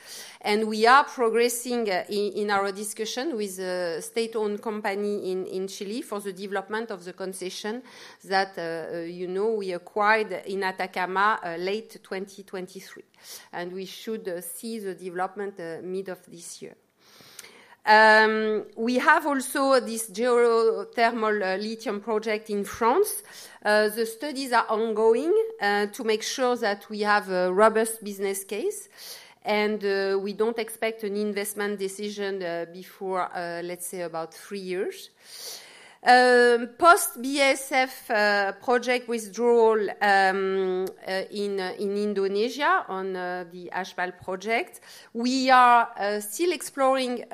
We are progressing in our discussion with a state-owned company in Chile for the development of the concession that we acquired in Atacama late 2023. We should see the development mid of this year. We have also this geothermal lithium project in France. The studies are ongoing to make sure that we have a robust business case. We don't expect an investment decision before, let's say, about three years. Post BASF project withdrawal in Indonesia on the HPAL project, we are still exploring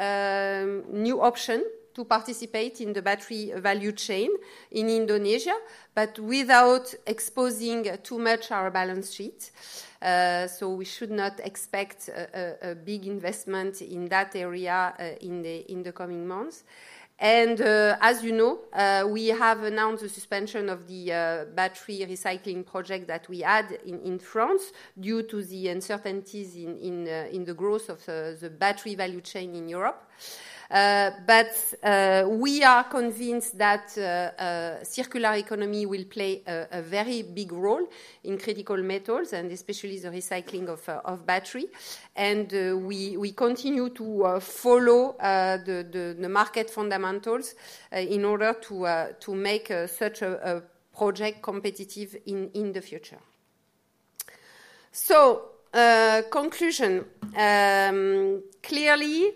new options to participate in the battery value chain in Indonesia, but without exposing too much our balance sheet. So we should not expect a big investment in that area in the coming months. And as you know, we have announced the suspension of the battery recycling project that we had in France due to the uncertainties in the growth of the battery value chain in Europe. But we are convinced that circular economy will play a very big role in critical metals, and especially the recycling of battery. And we continue to follow the market fundamentals in order to make such a project competitive in the future. So, conclusion, clearly,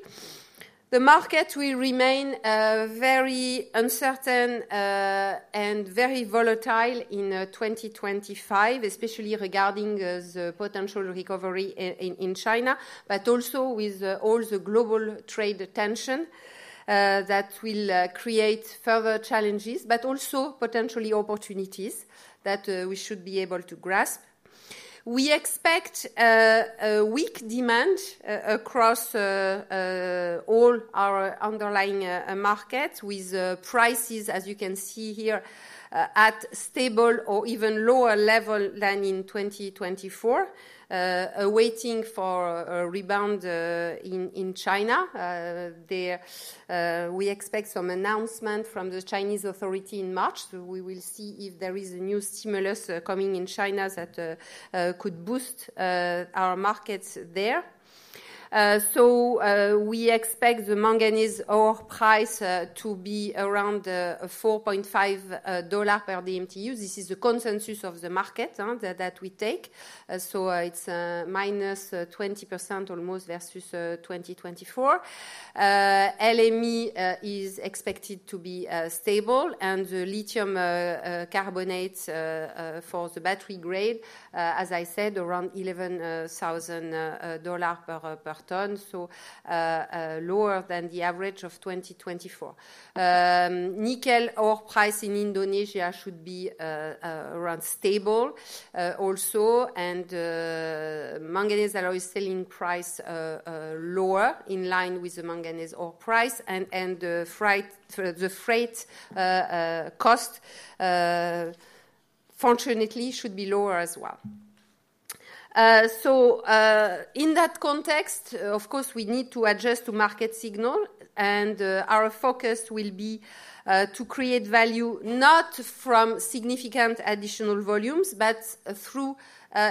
the market will remain very uncertain and very volatile in 2025, especially regarding the potential recovery in China, but also with all the global trade tension that will create further challenges, but also potentially opportunities that we should be able to grasp. We expect weak demand across all our underlying markets with prices, as you can see here, at stable or even lower level than in 2024, awaiting for a rebound in China. We expect some announcement from the Chinese authority in March. So we will see if there is a new stimulus coming in China that could boost our markets there. So we expect the manganese ore price to be around $4.5 per DMTU. This is the consensus of the market that we take. So it's -20% almost versus 2024. LME is expected to be stable. And the lithium carbonate for the battery grade, as I said, around $11,000 per ton, so lower than the average of 2024. Nickel ore price in Indonesia should be around stable also. And manganese alloy selling price lower in line with the manganese ore price. And the freight cost, fortunately, should be lower as well. So in that context, of course, we need to adjust to market signal. And our focus will be to create value not from significant additional volumes, but through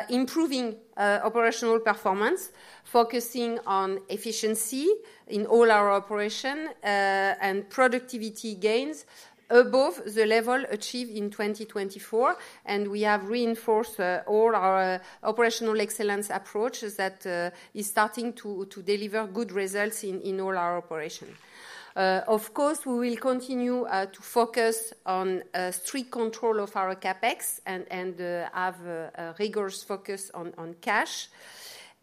improving operational performance, focusing on efficiency in all our operation and productivity gains above the level achieved in 2024. And we have reinforced all our operational excellence approaches that are starting to deliver good results in all our operations. Of course, we will continue to focus on strict control of our CapEx and have a rigorous focus on cash.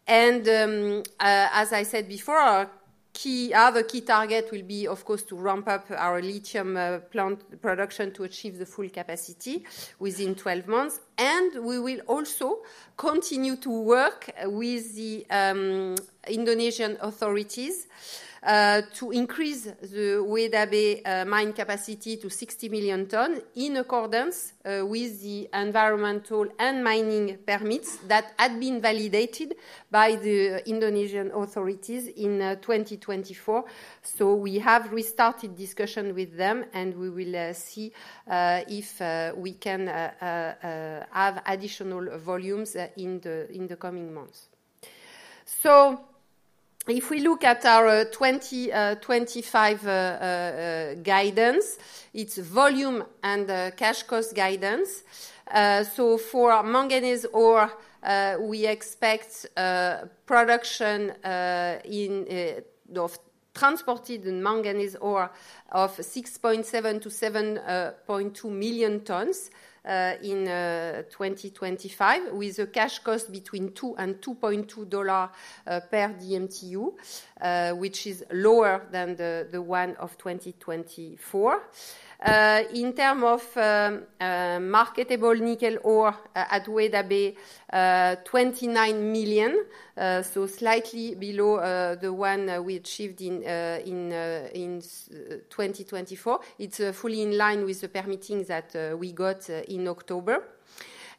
As I said before, our key target will be, of course, to ramp up our lithium plant production to achieve the full capacity within 12 months. We will also continue to work with the Indonesian authorities to increase the Weda Bay mine capacity to 60 million tons in accordance with the environmental and mining permits that had been validated by the Indonesian authorities in 2024. We have restarted discussion with them, and we will see if we can have additional volumes in the coming months. If we look at our 2025 guidance, it's volume and cash cost guidance. For manganese ore, we expect production of transported manganese ore of 6.7-7.2 million tons in 2025, with a cash cost between $2 and $2.2 per DMTU, which is lower than the one of 2024. In terms of marketable nickel ore at Weda Bay, 29 million, so slightly below the one we achieved in 2024. It's fully in line with the permitting that we got in October.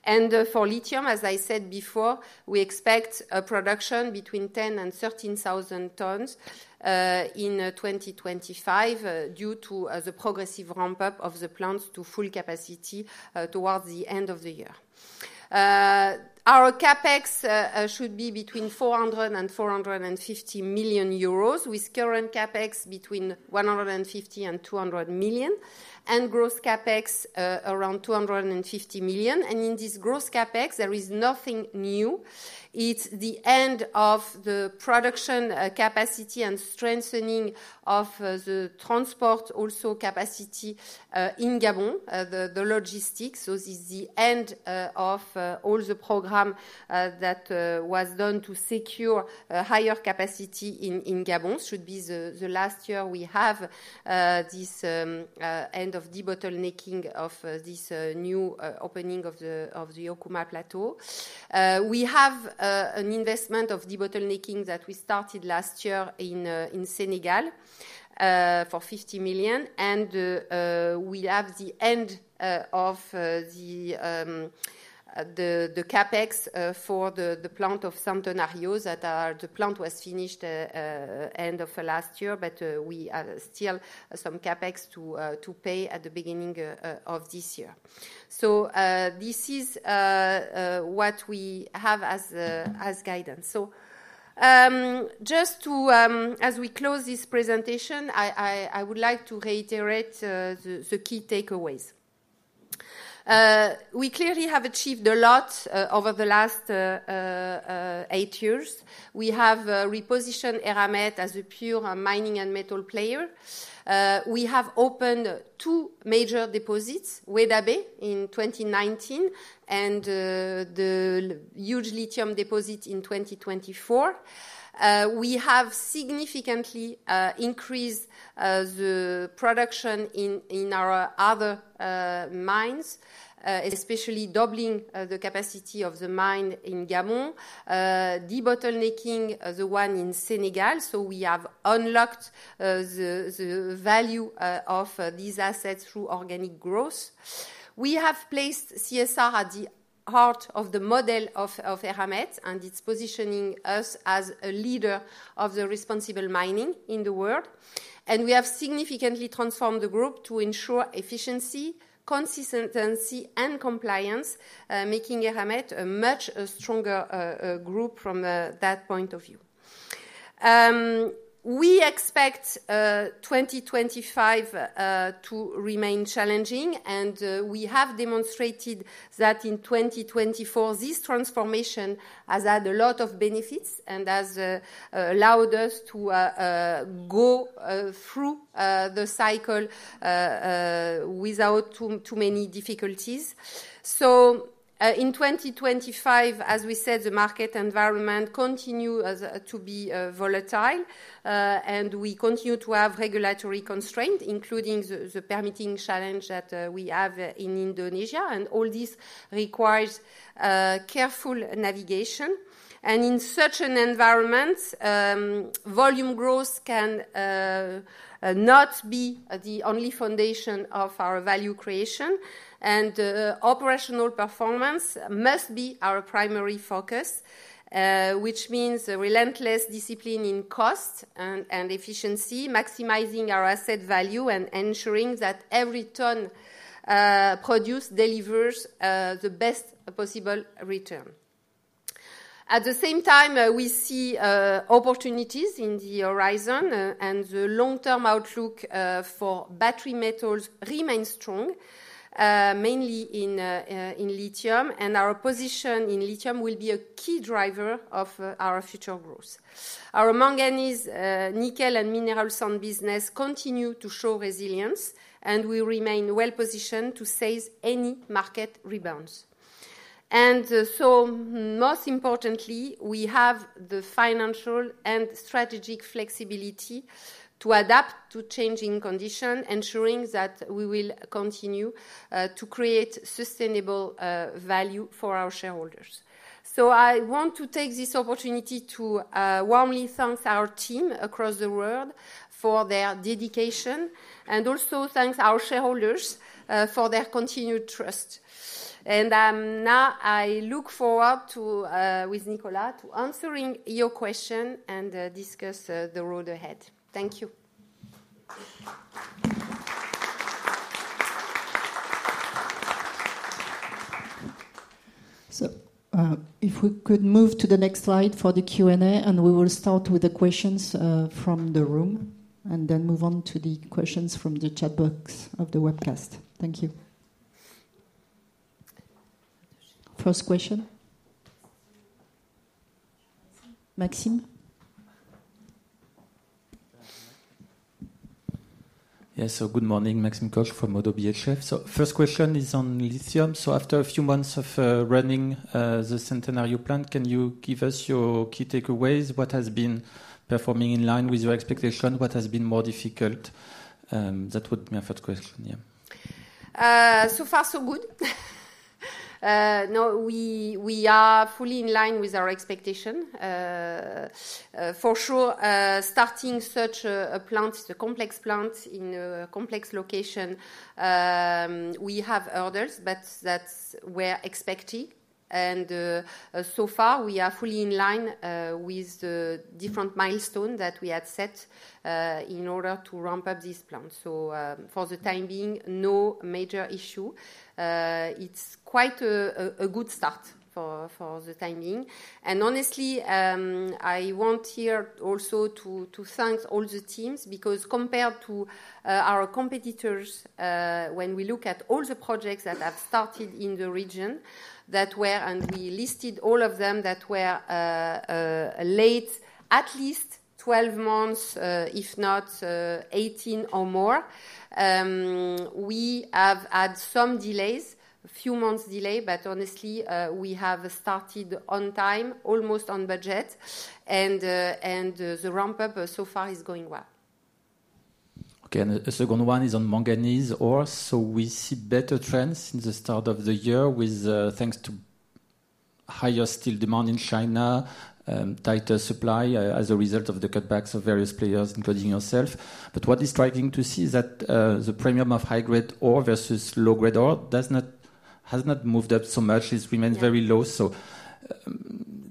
And for lithium, as I said before, we expect production between 10,000 and 13,000 tons in 2025 due to the progressive ramp-up of the plants to full capacity towards the end of the year. Our CapEx should be between 400 million euros and 450 million euros, with current CapEx between 150 million and 200 million, and gross CapEx around 250 million. And in this gross CapEx, there is nothing new. It's the end of the production capacity and strengthening of the transport also capacity in Gabon, the logistics. So this is the end of all the program that was done to secure higher capacity in Gabon. It should be the last year we have this end of debottlenecking of this new opening of the Okouma Plateau. We have an investment of debottlenecking that we started last year in Senegal for 50 million, and we have the end of the CapEx for the plant of Centenario that the plant was finished at the end of last year, but we have still some CapEx to pay at the beginning of this year. This is what we have as guidance. Just as we close this presentation, I would like to reiterate the key takeaways. We clearly have achieved a lot over the last eight years. We have repositioned Eramet as a pure mining and metal player. We have opened two major deposits, Weda Bay in 2019 and the huge lithium deposit in 2024. We have significantly increased the production in our other mines, especially doubling the capacity of the mine in Gabon, debottlenecking the one in Senegal, so we have unlocked the value of these assets through organic growth. We have placed CSR at the heart of the model of Eramet, and it's positioning us as a leader of the responsible mining in the world, and we have significantly transformed the group to ensure efficiency, consistency, and compliance, making Eramet a much stronger group from that point of view. We expect 2025 to remain challenging, and we have demonstrated that in 2024, this transformation has had a lot of benefits and has allowed us to go through the cycle without too many difficulties, so in 2025, as we said, the market environment continues to be volatile, and we continue to have regulatory constraints, including the permitting challenge that we have in Indonesia. All this requires careful navigation. In such an environment, volume growth cannot be the only foundation of our value creation. Operational performance must be our primary focus, which means relentless discipline in cost and efficiency, maximizing our asset value and ensuring that every ton produced delivers the best possible return. At the same time, we see opportunities on the horizon. The long-term outlook for battery metals remains strong, mainly in lithium. Our position in lithium will be a key driver of our future growth. Our manganese, nickel, and mineral sands business continue to show resilience. We remain well-positioned to seize any market rebounds. Most importantly, we have the financial and strategic flexibility to adapt to changing conditions, ensuring that we will continue to create sustainable value for our shareholders. So I want to take this opportunity to warmly thank our team across the world for their dedication and also thank our shareholders for their continued trust. And now I look forward to, with Nicolas, to answering your questions and discuss the road ahead. Thank you. So if we could move to the next slide for the Q&A, and we will start with the questions from the room and then move on to the questions from the chat box of the webcast. Thank you. First question. Maxime? Yeah, so good morning, Maxime Kogge from ODDO BHF. So first question is on lithium. So after a few months of running the Centenario plant, can you give us your key takeaways? What has been performing in line with your expectations? What has been more difficult? That would be my first question, yeah. So far, so good. No, we are fully in line with our expectations. For sure, starting such a complex plant in a complex location, we have hurdles, but that's what we're expecting. And so far, we are fully in line with the different milestones that we had set in order to ramp up this plant. So for the time being, no major issue. It's quite a good start for the time being. And honestly, I want here also to thank all the teams because compared to our competitors, when we look at all the projects that have started in the region, that were, and we listed all of them that were late at least 12 months, if not 18 or more, we have had some delays, a few months' delay, but honestly, we have started on time, almost on budget. And the ramp-up so far is going well. Okay, and the second one is on manganese ore. So we see better trends since the start of the year thanks to higher steel demand in China, tighter supply as a result of the cutbacks of various players, including yourself. But what is striking to see is that the premium of high-grade ore versus low-grade ore has not moved up so much. It remains very low. So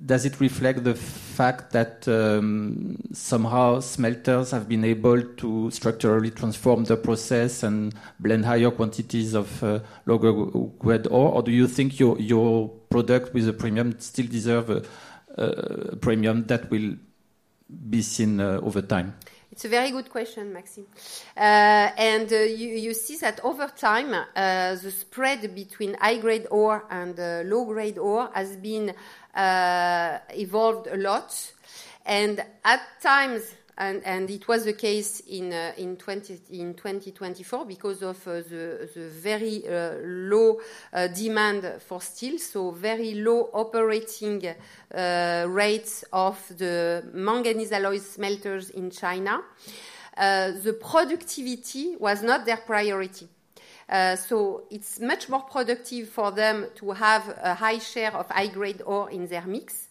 does it reflect the fact that somehow smelters have been able to structurally transform the process and blend higher quantities of lower-grade ore? Or do you think your product with a premium still deserves a premium that will be seen over time? It's a very good question, Maxime. And you see that over time, the spread between high-grade ore and low-grade ore has evolved a lot. At times, and it was the case in 2024 because of the very low demand for steel, so very low operating rates of the manganese alloy smelters in China, the productivity was not their priority. So it's much more productive for them to have a high share of high-grade ore in their mix.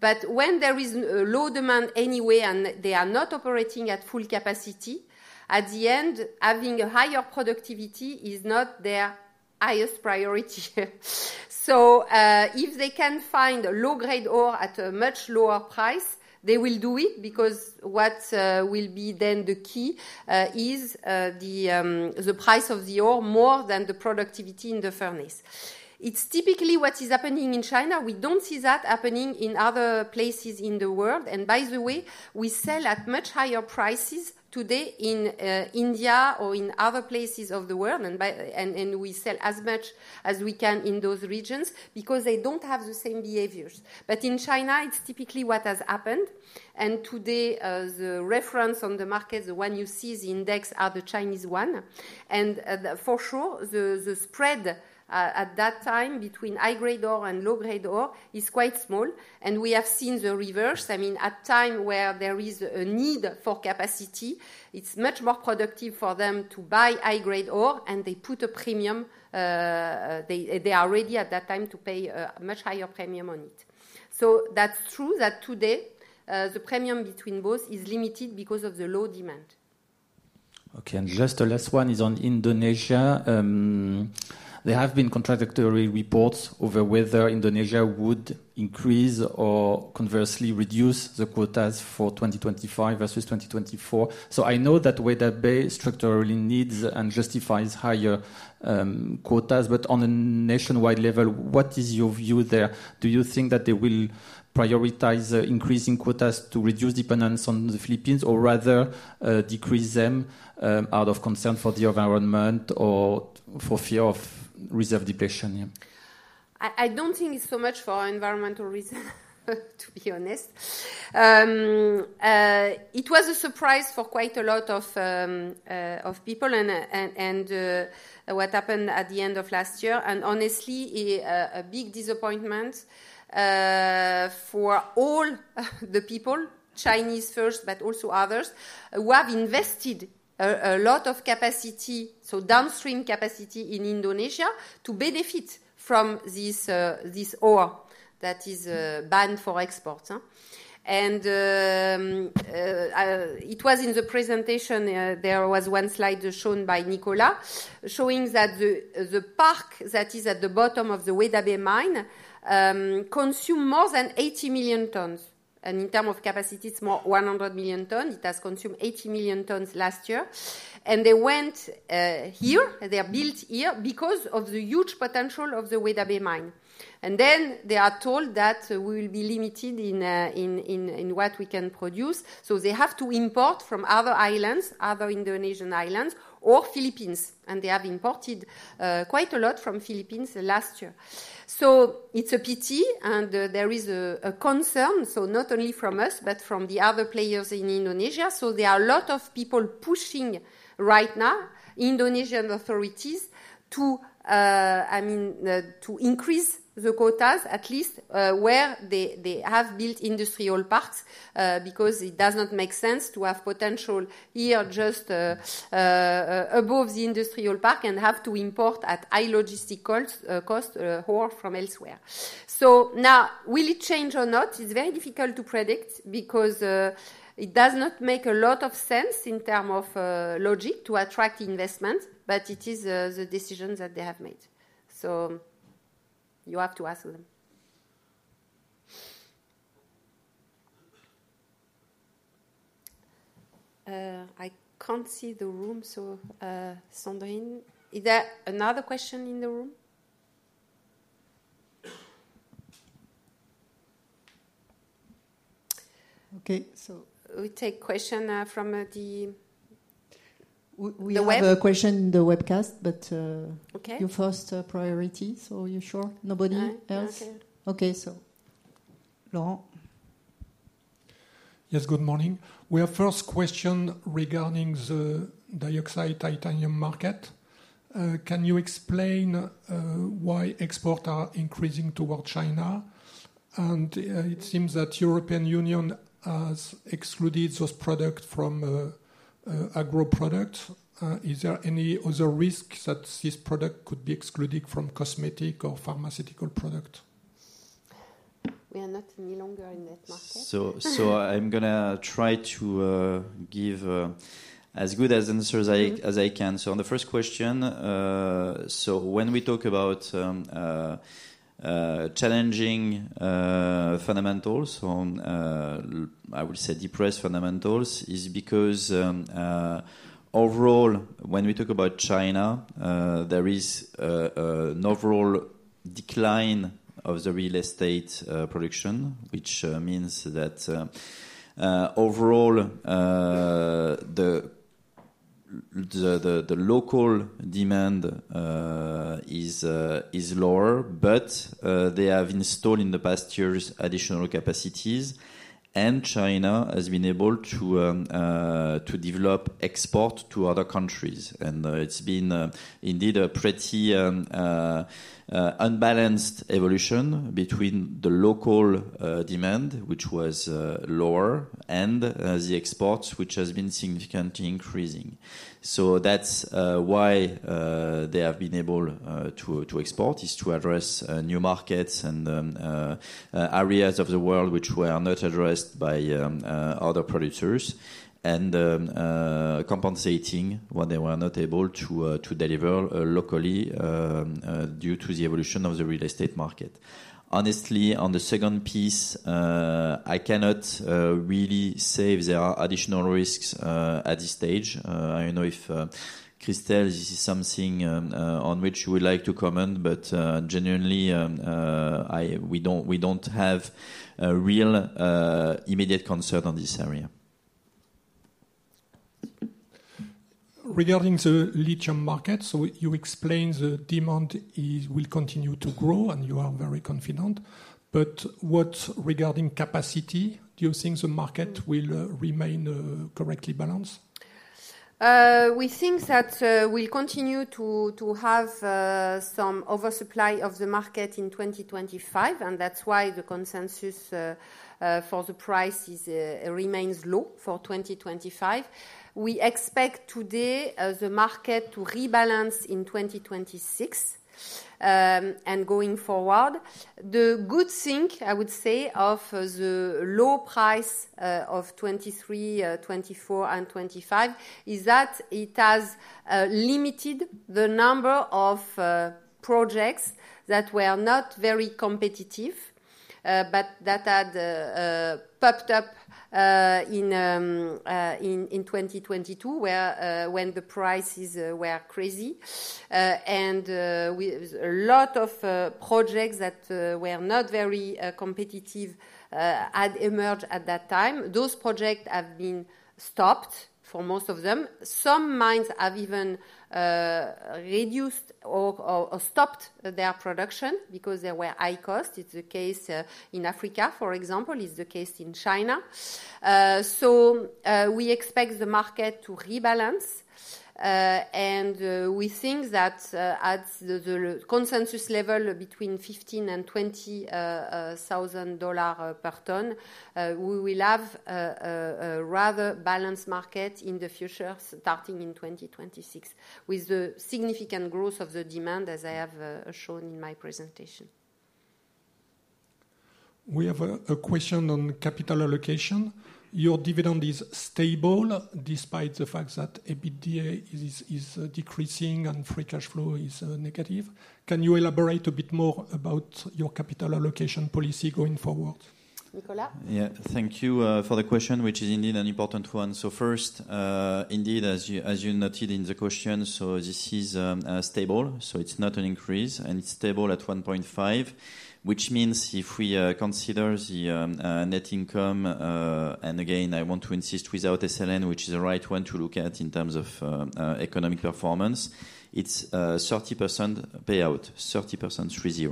But when there is low demand anyway and they are not operating at full capacity, at the end, having a higher productivity is not their highest priority. So if they can find low-grade ore at a much lower price, they will do it because what will be then the key is the price of the ore more than the productivity in the furnace. It's typically what is happening in China. We don't see that happening in other places in the world. And by the way, we sell at much higher prices today in India or in other places of the world. And we sell as much as we can in those regions because they don't have the same behaviors. But in China, it's typically what has happened. And today, the reference on the market, the one you see in the index, is the Chinese one. And for sure, the spread at that time between high-grade ore and low-grade ore is quite small. And we have seen the reverse. I mean, at times where there is a need for capacity, it's much more productive for them to buy high-grade ore, and they put a premium. They are ready at that time to pay a much higher premium on it. So that's true that today, the premium between both is limited because of the low demand. Okay, and just the last one is on Indonesia. There have been contradictory reports over whether Indonesia would increase or conversely reduce the quotas for 2025 versus 2024. So I know that Weda Bay structurally needs and justifies higher quotas. But on a nationwide level, what is your view there? Do you think that they will prioritize increasing quotas to reduce dependence on the Philippines or rather decrease them out of concern for the environment or for fear of reserve depletion? I don't think it's so much for environmental reasons, to be honest. It was a surprise for quite a lot of people and what happened at the end of last year. And honestly, a big disappointment for all the people, Chinese first, but also others, who have invested a lot of capacity, so downstream capacity in Indonesia, to benefit from this ore that is banned for exports. It was in the presentation. There was one slide shown by Nicolas showing that the park that is at the bottom of the Weda Bay mine consumed more than 80 million tons. In terms of capacity, it's more than 100 million tons. It has consumed 80 million tons last year. They went here. They are built here because of the huge potential of the Weda Bay mine. Then they are told that we will be limited in what we can produce. They have to import from other islands, other Indonesian islands, or Philippines. They have imported quite a lot from the Philippines last year. It's a pity and there is a concern, so not only from us, but from the other players in Indonesia. So there are a lot of people pushing right now, Indonesian authorities, to increase the quotas, at least where they have built industrial parks, because it does not make sense to have potential here just above the industrial park and have to import at high logistical cost ore from elsewhere. So now, will it change or not? It's very difficult to predict because it does not make a lot of sense in terms of logic to attract investment, but it is the decision that they have made. So you have to ask them. I can't see the room, so Sandrine, is there another question in the room? Okay, so we take questions from the web. We have a question in the webcast, but your first priority. So you're sure? Nobody else? Okay, Laurent? Yes, good morning. We have a first question regarding the titanium dioxide market. Can you explain why exports are increasing towards China? And it seems that the European Union has excluded those products from agro products. Is there any other risk that this product could be excluded from cosmetic or pharmaceutical products? We are not any longer in that market. I'm going to try to give as good answers as I can. On the first question, when we talk about challenging fundamentals, I would say depressed fundamentals. It's because overall, when we talk about China, there is an overall decline of the real estate production, which means that overall, the local demand is lower, but they have installed in the past years additional capacities. China has been able to develop exports to other countries. It's been indeed a pretty unbalanced evolution between the local demand, which was lower, and the exports, which have been significantly increasing. That's why they have been able to export, is to address new markets and areas of the world which were not addressed by other producers and compensating what they were not able to deliver locally due to the evolution of the real estate market. Honestly, on the second piece, I cannot really say if there are additional risks at this stage. I don't know if, Christel, this is something on which you would like to comment, but genuinely, we don't have a real immediate concern on this area. Regarding the lithium market, you explained the demand will continue to grow and you are very confident. But what regarding capacity, do you think the market will remain correctly balanced? We think that we'll continue to have some oversupply of the market in 2025, and that's why the consensus for the price remains low for 2025. We expect the market to rebalance in 2026 and going forward. The good thing, I would say, of the low price of 2023, 2024, and 2025 is that it has limited the number of projects that were not very competitive, but that had popped up in 2022 when the prices were crazy. And a lot of projects that were not very competitive had emerged at that time. Those projects have been stopped for most of them. Some mines have even reduced or stopped their production because there were high costs. It's the case in Africa, for example. It's the case in China. So we expect the market to rebalance. We think that at the consensus level between $15,000 and $20,000 per ton, we will have a rather balanced market in the future starting in 2026 with the significant growth of the demand, as I have shown in my presentation. We have a question on capital allocation. Your dividend is stable despite the fact that EBITDA is decreasing and free cash flow is negative. Can you elaborate a bit more about your capital allocation policy going forward? Nicolas? Yeah, thank you for the question, which is indeed an important one. First, indeed, as you noted in the question, so this is stable. It's not an increase. It's stable at 1.5, which means if we consider the net income, and again, I want to insist without SLN, which is the right one to look at in terms of economic performance, it's 30% payout, 30% free cash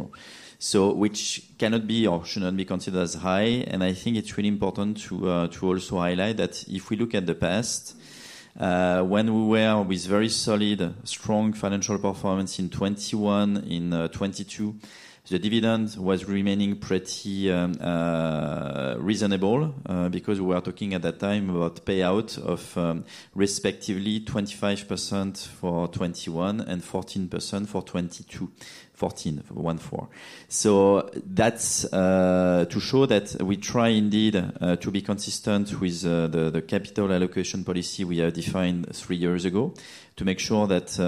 flow, which cannot be or should not be considered as high. I think it's really important to also highlight that if we look at the past, when we were with very solid, strong financial performance in 2021, in 2022, the dividend was remaining pretty reasonable because we were talking at that time about payout of respectively 25% for 2021 and 14% for 2022. So that's to show that we try indeed to be consistent with the capital allocation policy we have defined three years ago to make sure that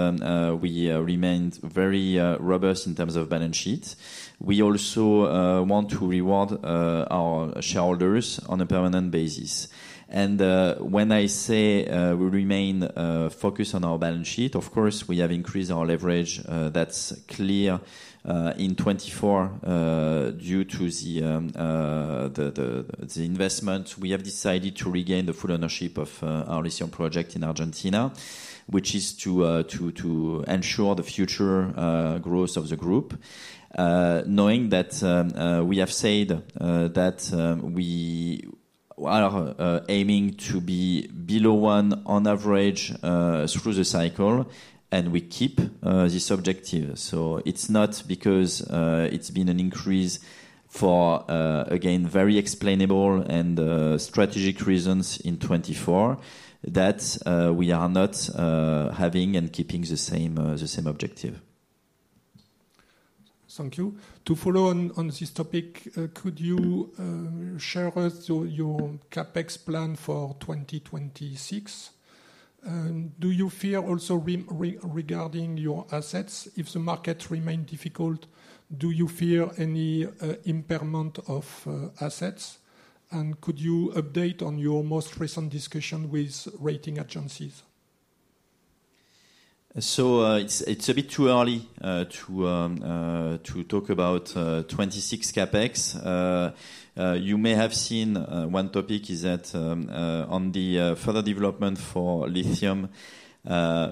we remained very robust in terms of balance sheet. We also want to reward our shareholders on a permanent basis, and when I say we remain focused on our balance sheet, of course, we have increased our leverage. That's clear in 2024 due to the investment. We have decided to regain the full ownership of our lithium project in Argentina, which is to ensure the future growth of the group, knowing that we have said that we are aiming to be below one on average through the cycle, and we keep this objective, so it's not because it's been an increase for, again, very explainable and strategic reasons in 2024 that we are not having and keeping the same objective. Thank you. To follow on this topic, could you share with us your CapEx plan for 2026? Do you fear also regarding your assets, if the market remains difficult, do you fear any impairment of assets? Could you update on your most recent discussion with rating agencies? It's a bit too early to talk about 2026 CapEx. You may have seen one topic is that on the further development for lithium,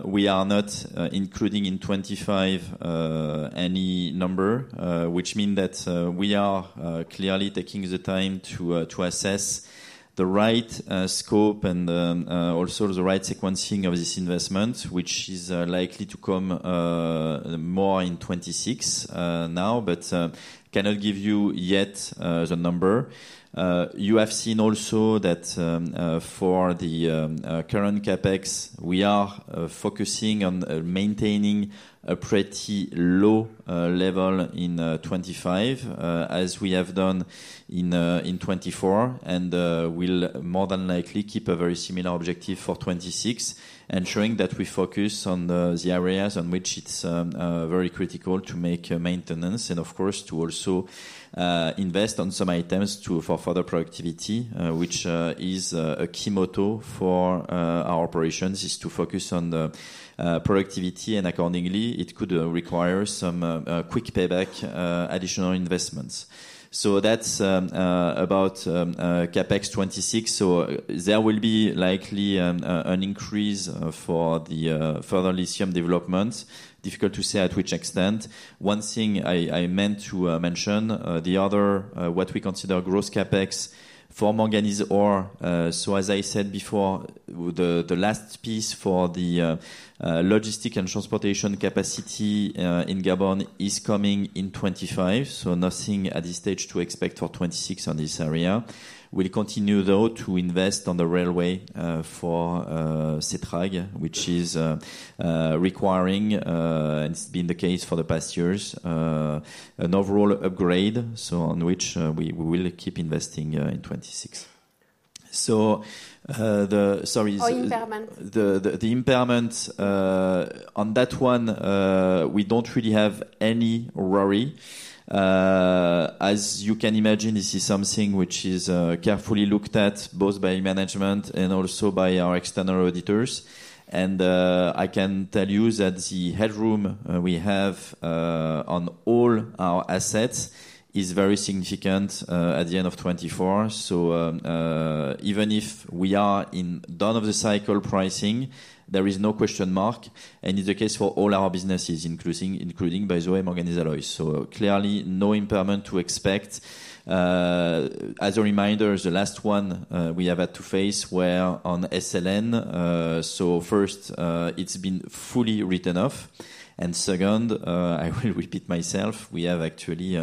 we are not including in 2025 any number, which means that we are clearly taking the time to assess the right scope and also the right sequencing of this investment, which is likely to come more in 2026 now, but cannot give you yet the number. You have seen also that for the current CapEx, we are focusing on maintaining a pretty low level in 2025, as we have done in 2024, and will more than likely keep a very similar objective for 2026, ensuring that we focus on the areas on which it's very critical to make maintenance and, of course, to also invest on some items for further productivity, which is a key motto for our operations, is to focus on productivity. Accordingly, it could require some quick payback additional investments. That's about CapEx 2026. There will be likely an increase for the further lithium development. Difficult to say at which extent. One thing I meant to mention, the other what we consider gross CapEx for manganese ore. As I said before, the last piece for the logistics and transportation capacity in Gabon is coming in 2025. Nothing at this stage to expect for 2026 on this area. We'll continue, though, to invest on the railway for Setrag, which is requiring, and it's been the case for the past years, an overall upgrade, so on which we will keep investing in 2026. So, sorry. On impairment? The impairment on that one, we don't really have any worry. As you can imagine, this is something which is carefully looked at both by management and also by our external auditors. And I can tell you that the headroom we have on all our assets is very significant at the end of 2024. So even if we are in the downside of the cycle pricing, there is no question mark. And it's the case for all our businesses, including, by the way, manganese alloys. So clearly, no impairment to expect. As a reminder, the last one we have had to face were on SLN, so first, it's been fully written off. And second, I will repeat myself, we have actually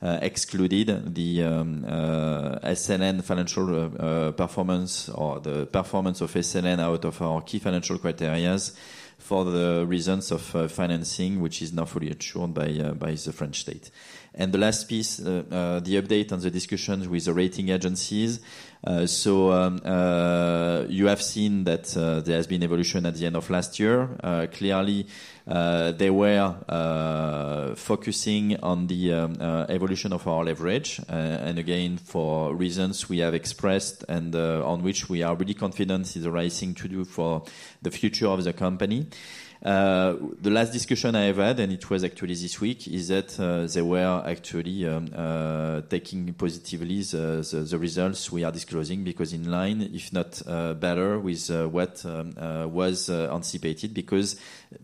excluded the SLN financial performance or the performance of SLN out of our key financial criteria for the reasons of financing, which is not fully assured by the French state, and the last piece, the update on the discussions with the rating agencies, so you have seen that there has been evolution at the end of last year. Clearly, they were focusing on the evolution of our leverage, and again, for reasons we have expressed and on which we are really confident is a reason to do for the future of the company. The last discussion I have had, and it was actually this week, is that they were actually taking positively the results we are disclosing because in line, if not better, with what was anticipated because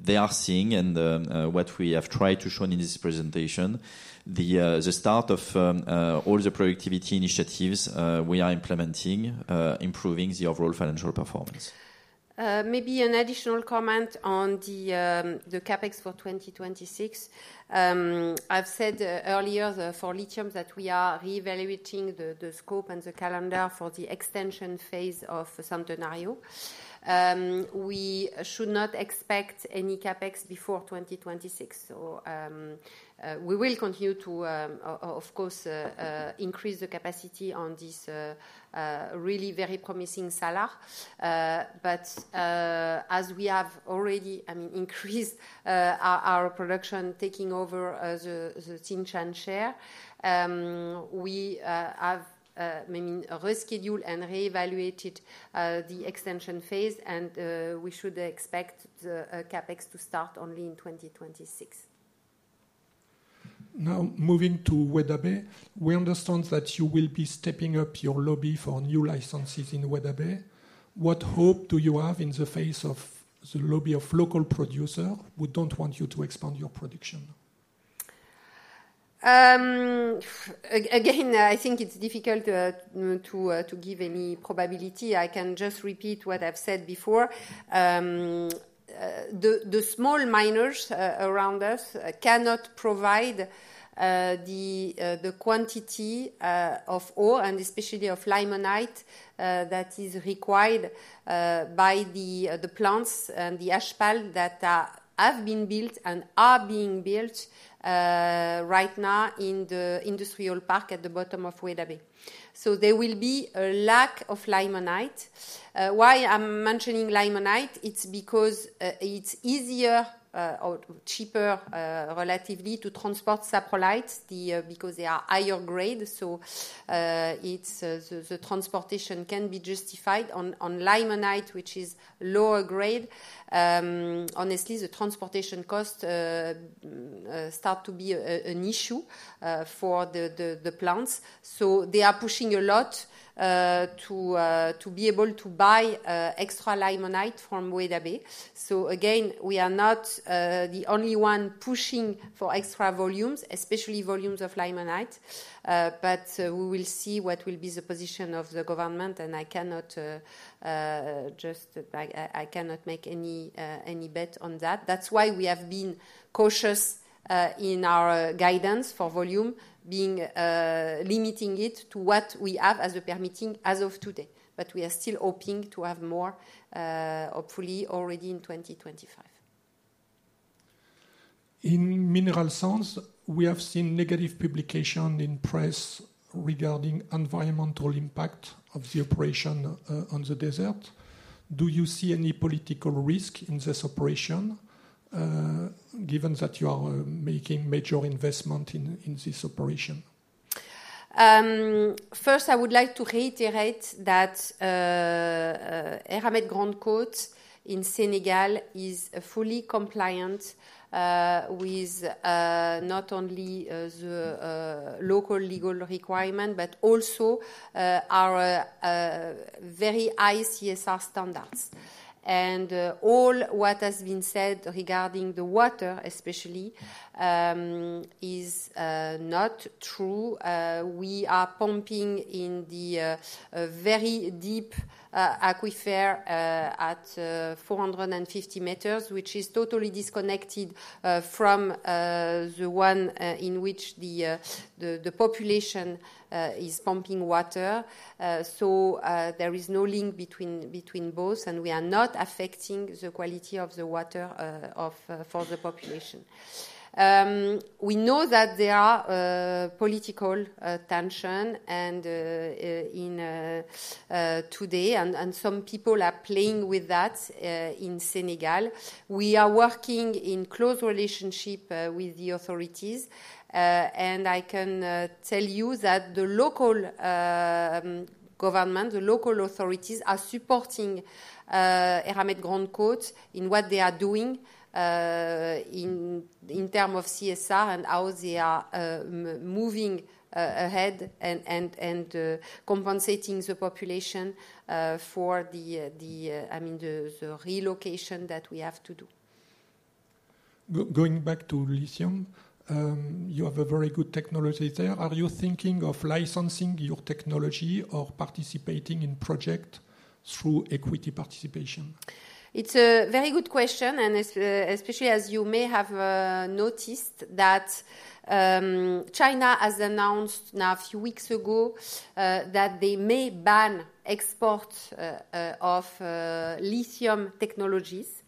they are seeing and what we have tried to show in this presentation, the start of all the productivity initiatives we are implementing, improving the overall financial performance. Maybe an additional comment on the CapEx for 2026. I've said earlier for lithium that we are reevaluating the scope and the calendar for the extension phase of Centenario. We should not expect any CapEx before 2026. So we will continue to, of course, increase the capacity on this really very promising salar. But as we have already, I mean, increased our production taking over the Tsingshan share, we have maybe rescheduled and reevaluated the extension phase, and we should expect the CapEx to start only in 2026. Now, moving to Weda Bay, we understand that you will be stepping up your lobby for new licenses in Weda Bay. What hope do you have in the face of the lobby of local producers who don't want you to expand your production? Again, I think it's difficult to give any probability. I can just repeat what I've said before. The small miners around us cannot provide the quantity of ore, and especially of limonite that is required by the plants and the HPAL that have been built and are being built right now in the industrial park at the bottom of Weda Bay. So there will be a lack of limonite. Why I'm mentioning limonite? It's because it's easier or cheaper relatively to transport saprolite because they are higher grade. So the transportation can be justified on limonite, which is lower grade. Honestly, the transportation costs start to be an issue for the plants. So they are pushing a lot to be able to buy extra limonite from Weda Bay. So again, we are not the only one pushing for extra volumes, especially volumes of limonite. But we will see what will be the position of the government, and I cannot just make any bet on that. That's why we have been cautious in our guidance for volume, limiting it to what we have as per permitting as of today. But we are still hoping to have more, hopefully, already in 2025. In mineral sands, we have seen negative publications in the press regarding environmental impact of the operation on the desert. Do you see any political risk in this operation given that you are making major investment in this operation? First, I would like to reiterate that Eramet Grande Côte in Senegal is fully compliant with not only the local legal requirement, but also our very high CSR standards. And all what has been said regarding the water, especially, is not true. We are pumping in the very deep aquifer at 450 meters, which is totally disconnected from the one in which the population is pumping water. So there is no link between both, and we are not affecting the quality of the water for the population. We know that there are political tensions today, and some people are playing with that in Senegal. We are working in close relationship with the authorities. I can tell you that the local government, the local authorities are supporting Eramet Grande Côte in what they are doing in terms of CSR and how they are moving ahead and compensating the population for the, I mean, the relocation that we have to do. Going back to lithium, you have a very good technology there. Are you thinking of licensing your technology or participating in projects through equity participation? It's a very good question, and especially as you may have noticed that China has announced now a few weeks ago that they may ban exports of lithium technologies.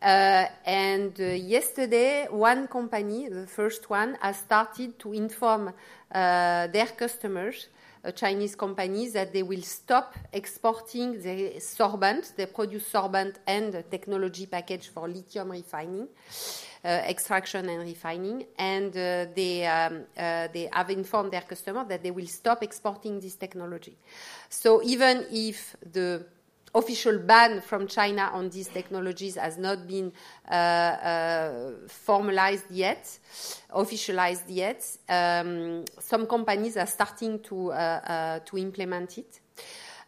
Yesterday, one company, the first one, has started to inform their customers, Chinese companies, that they will stop exporting the sorbent, the produced sorbent and technology package for lithium refining, extraction and refining. They have informed their customers that they will stop exporting this technology. So even if the official ban from China on these technologies has not been formalized yet, some companies are starting to implement it.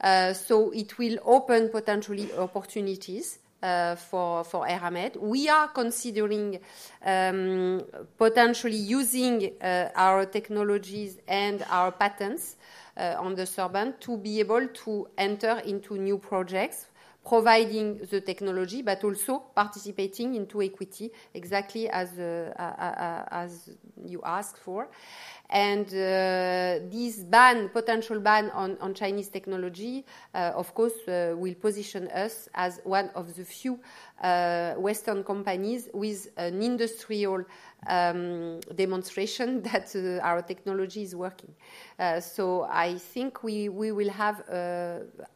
It will open potentially opportunities for Eramet. We are considering potentially using our technologies and our patents on the sorbent to be able to enter into new projects, providing the technology, but also participating into equity, exactly as you asked for. And this ban, potential ban on Chinese technology, of course, will position us as one of the few Western companies with an industrial demonstration that our technology is working. I think we will have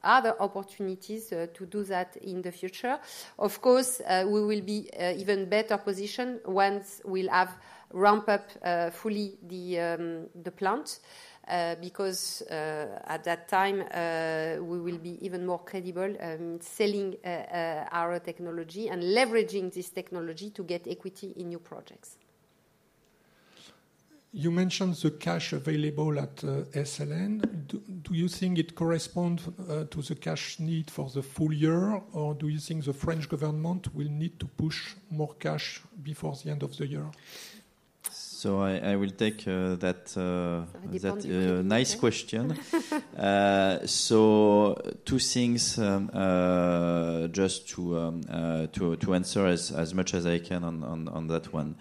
other opportunities to do that in the future. Of course, we will be in an even better position once we'll have ramped up fully the plant because at that time, we will be even more credible in selling our technology and leveraging this technology to get equity in new projects. You mentioned the cash available at SLN. Do you think it corresponds to the cash need for the full year, or do you think the French government will need to push more cash before the end of the year? So I will take that nice question. So two things just to answer as much as I can on that one.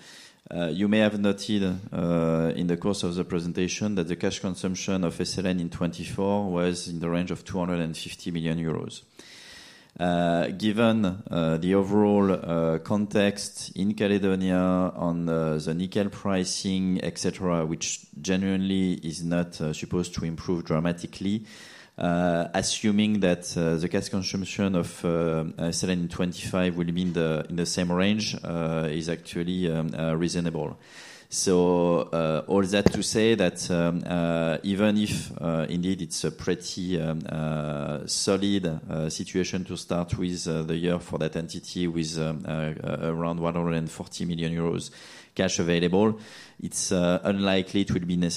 You may have noted in the course of the presentation that the cash consumption of SLN in 2024 was in the range of 250 million euros. Given the overall context in New Caledonia on the nickel pricing, etc., which genuinely is not supposed to improve dramatically, assuming that the cash consumption of SLN in 2025 will be in the same range, it is actually reasonable. So all that to say that even if indeed it's a pretty solid situation to start with the year for that entity with around 140 million euros cash available, it's unlikely it will be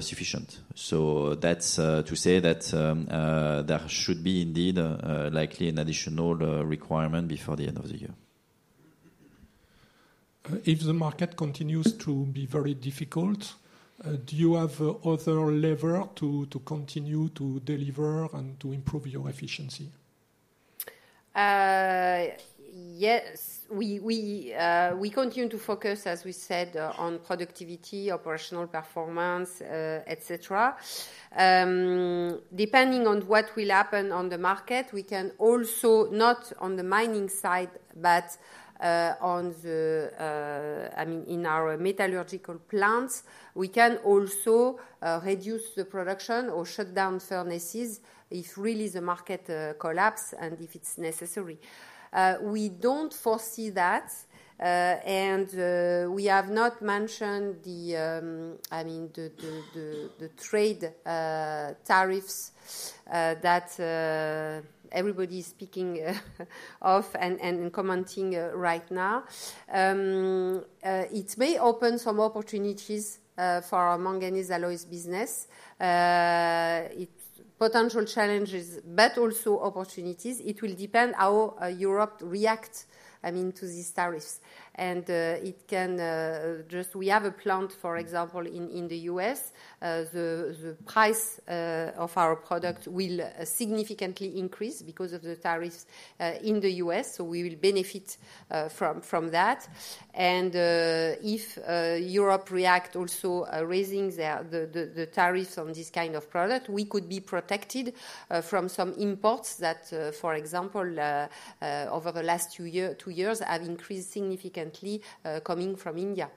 sufficient. So that's to say that there should be indeed likely an additional requirement before the end of the year. If the market continues to be very difficult, do you have other levers to continue to deliver and to improve your efficiency? Yes. We continue to focus, as we said, on productivity, operational performance, etc. Depending on what will happen on the market, we can also, not on the mining side, but on the, I mean, in our metallurgical plants, we can also reduce the production or shut down furnaces if really the market collapses and if it's necessary. We don't foresee that. And we have not mentioned the, I mean, the trade tariffs that everybody is speaking of and commenting right now. It may open some opportunities for our manganese alloys business. It's potential challenges, but also opportunities. It will depend how Europe reacts, I mean, to these tariffs. And it can just. We have a plant, for example, in the U.S. The price of our product will significantly increase because of the tariffs in the U.S. So we will benefit from that. And if Europe reacts also raising the tariffs on this kind of product, we could be protected from some imports that, for example, over the last two years have increased significantly coming from India.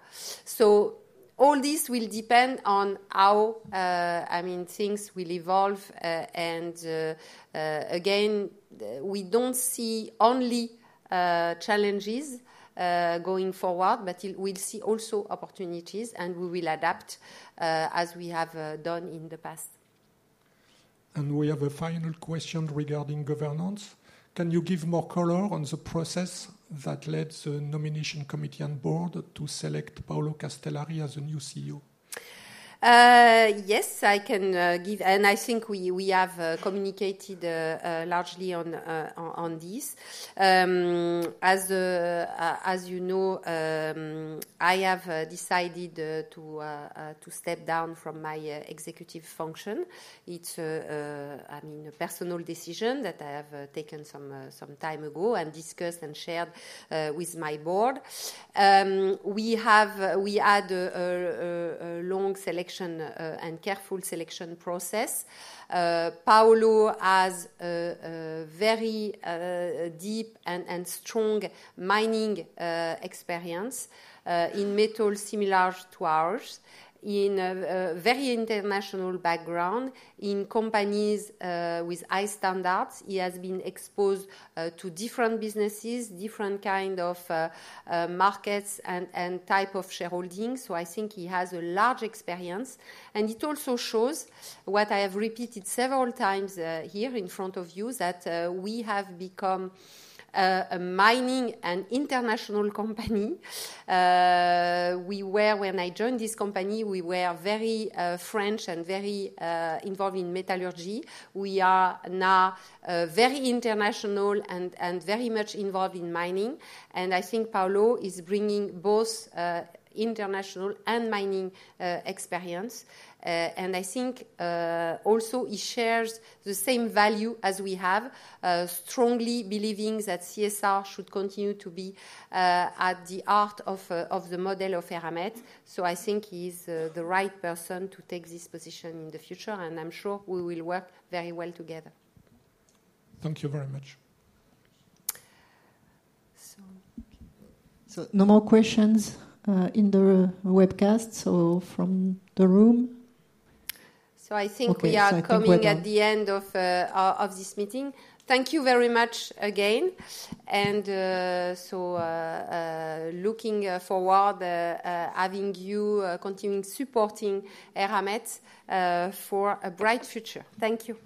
So all this will depend on how, I mean, things will evolve. And again, we don't see only challenges going forward, but we'll see also opportunities, and we will adapt as we have done in the past. And we have a final question regarding governance. Can you give more color on the process that led the nomination committee and board to select Paulo Castellari as a new CEO? Yes, I can give. And I think we have communicated largely on this. As you know, I have decided to step down from my executive function. It's, I mean, a personal decision that I have taken some time ago and discussed and shared with my board. We had a long selection and careful selection process. Paulo has a very deep and strong mining experience in metals similar to ours, in a very international background, in companies with high standards. He has been exposed to different businesses, different kinds of markets and types of shareholdings. So I think he has a large experience. And it also shows what I have repeated several times here in front of you, that we have become a mining and international company. When I joined this company, we were very French and very involved in metallurgy. We are now very international and very much involved in mining. And I think Paulo is bringing both international and mining experience. And I think also he shares the same value as we have, strongly believing that CSR should continue to be at the heart of the model of Eramet.I think he is the right person to take this position in the future. And I'm sure we will work very well together. Thank you very much. No more questions in the webcast. From the room? I think we are coming to the end of this meeting. Thank you very much again. Looking forward to having you continue supporting Eramet for a bright future. Thank you.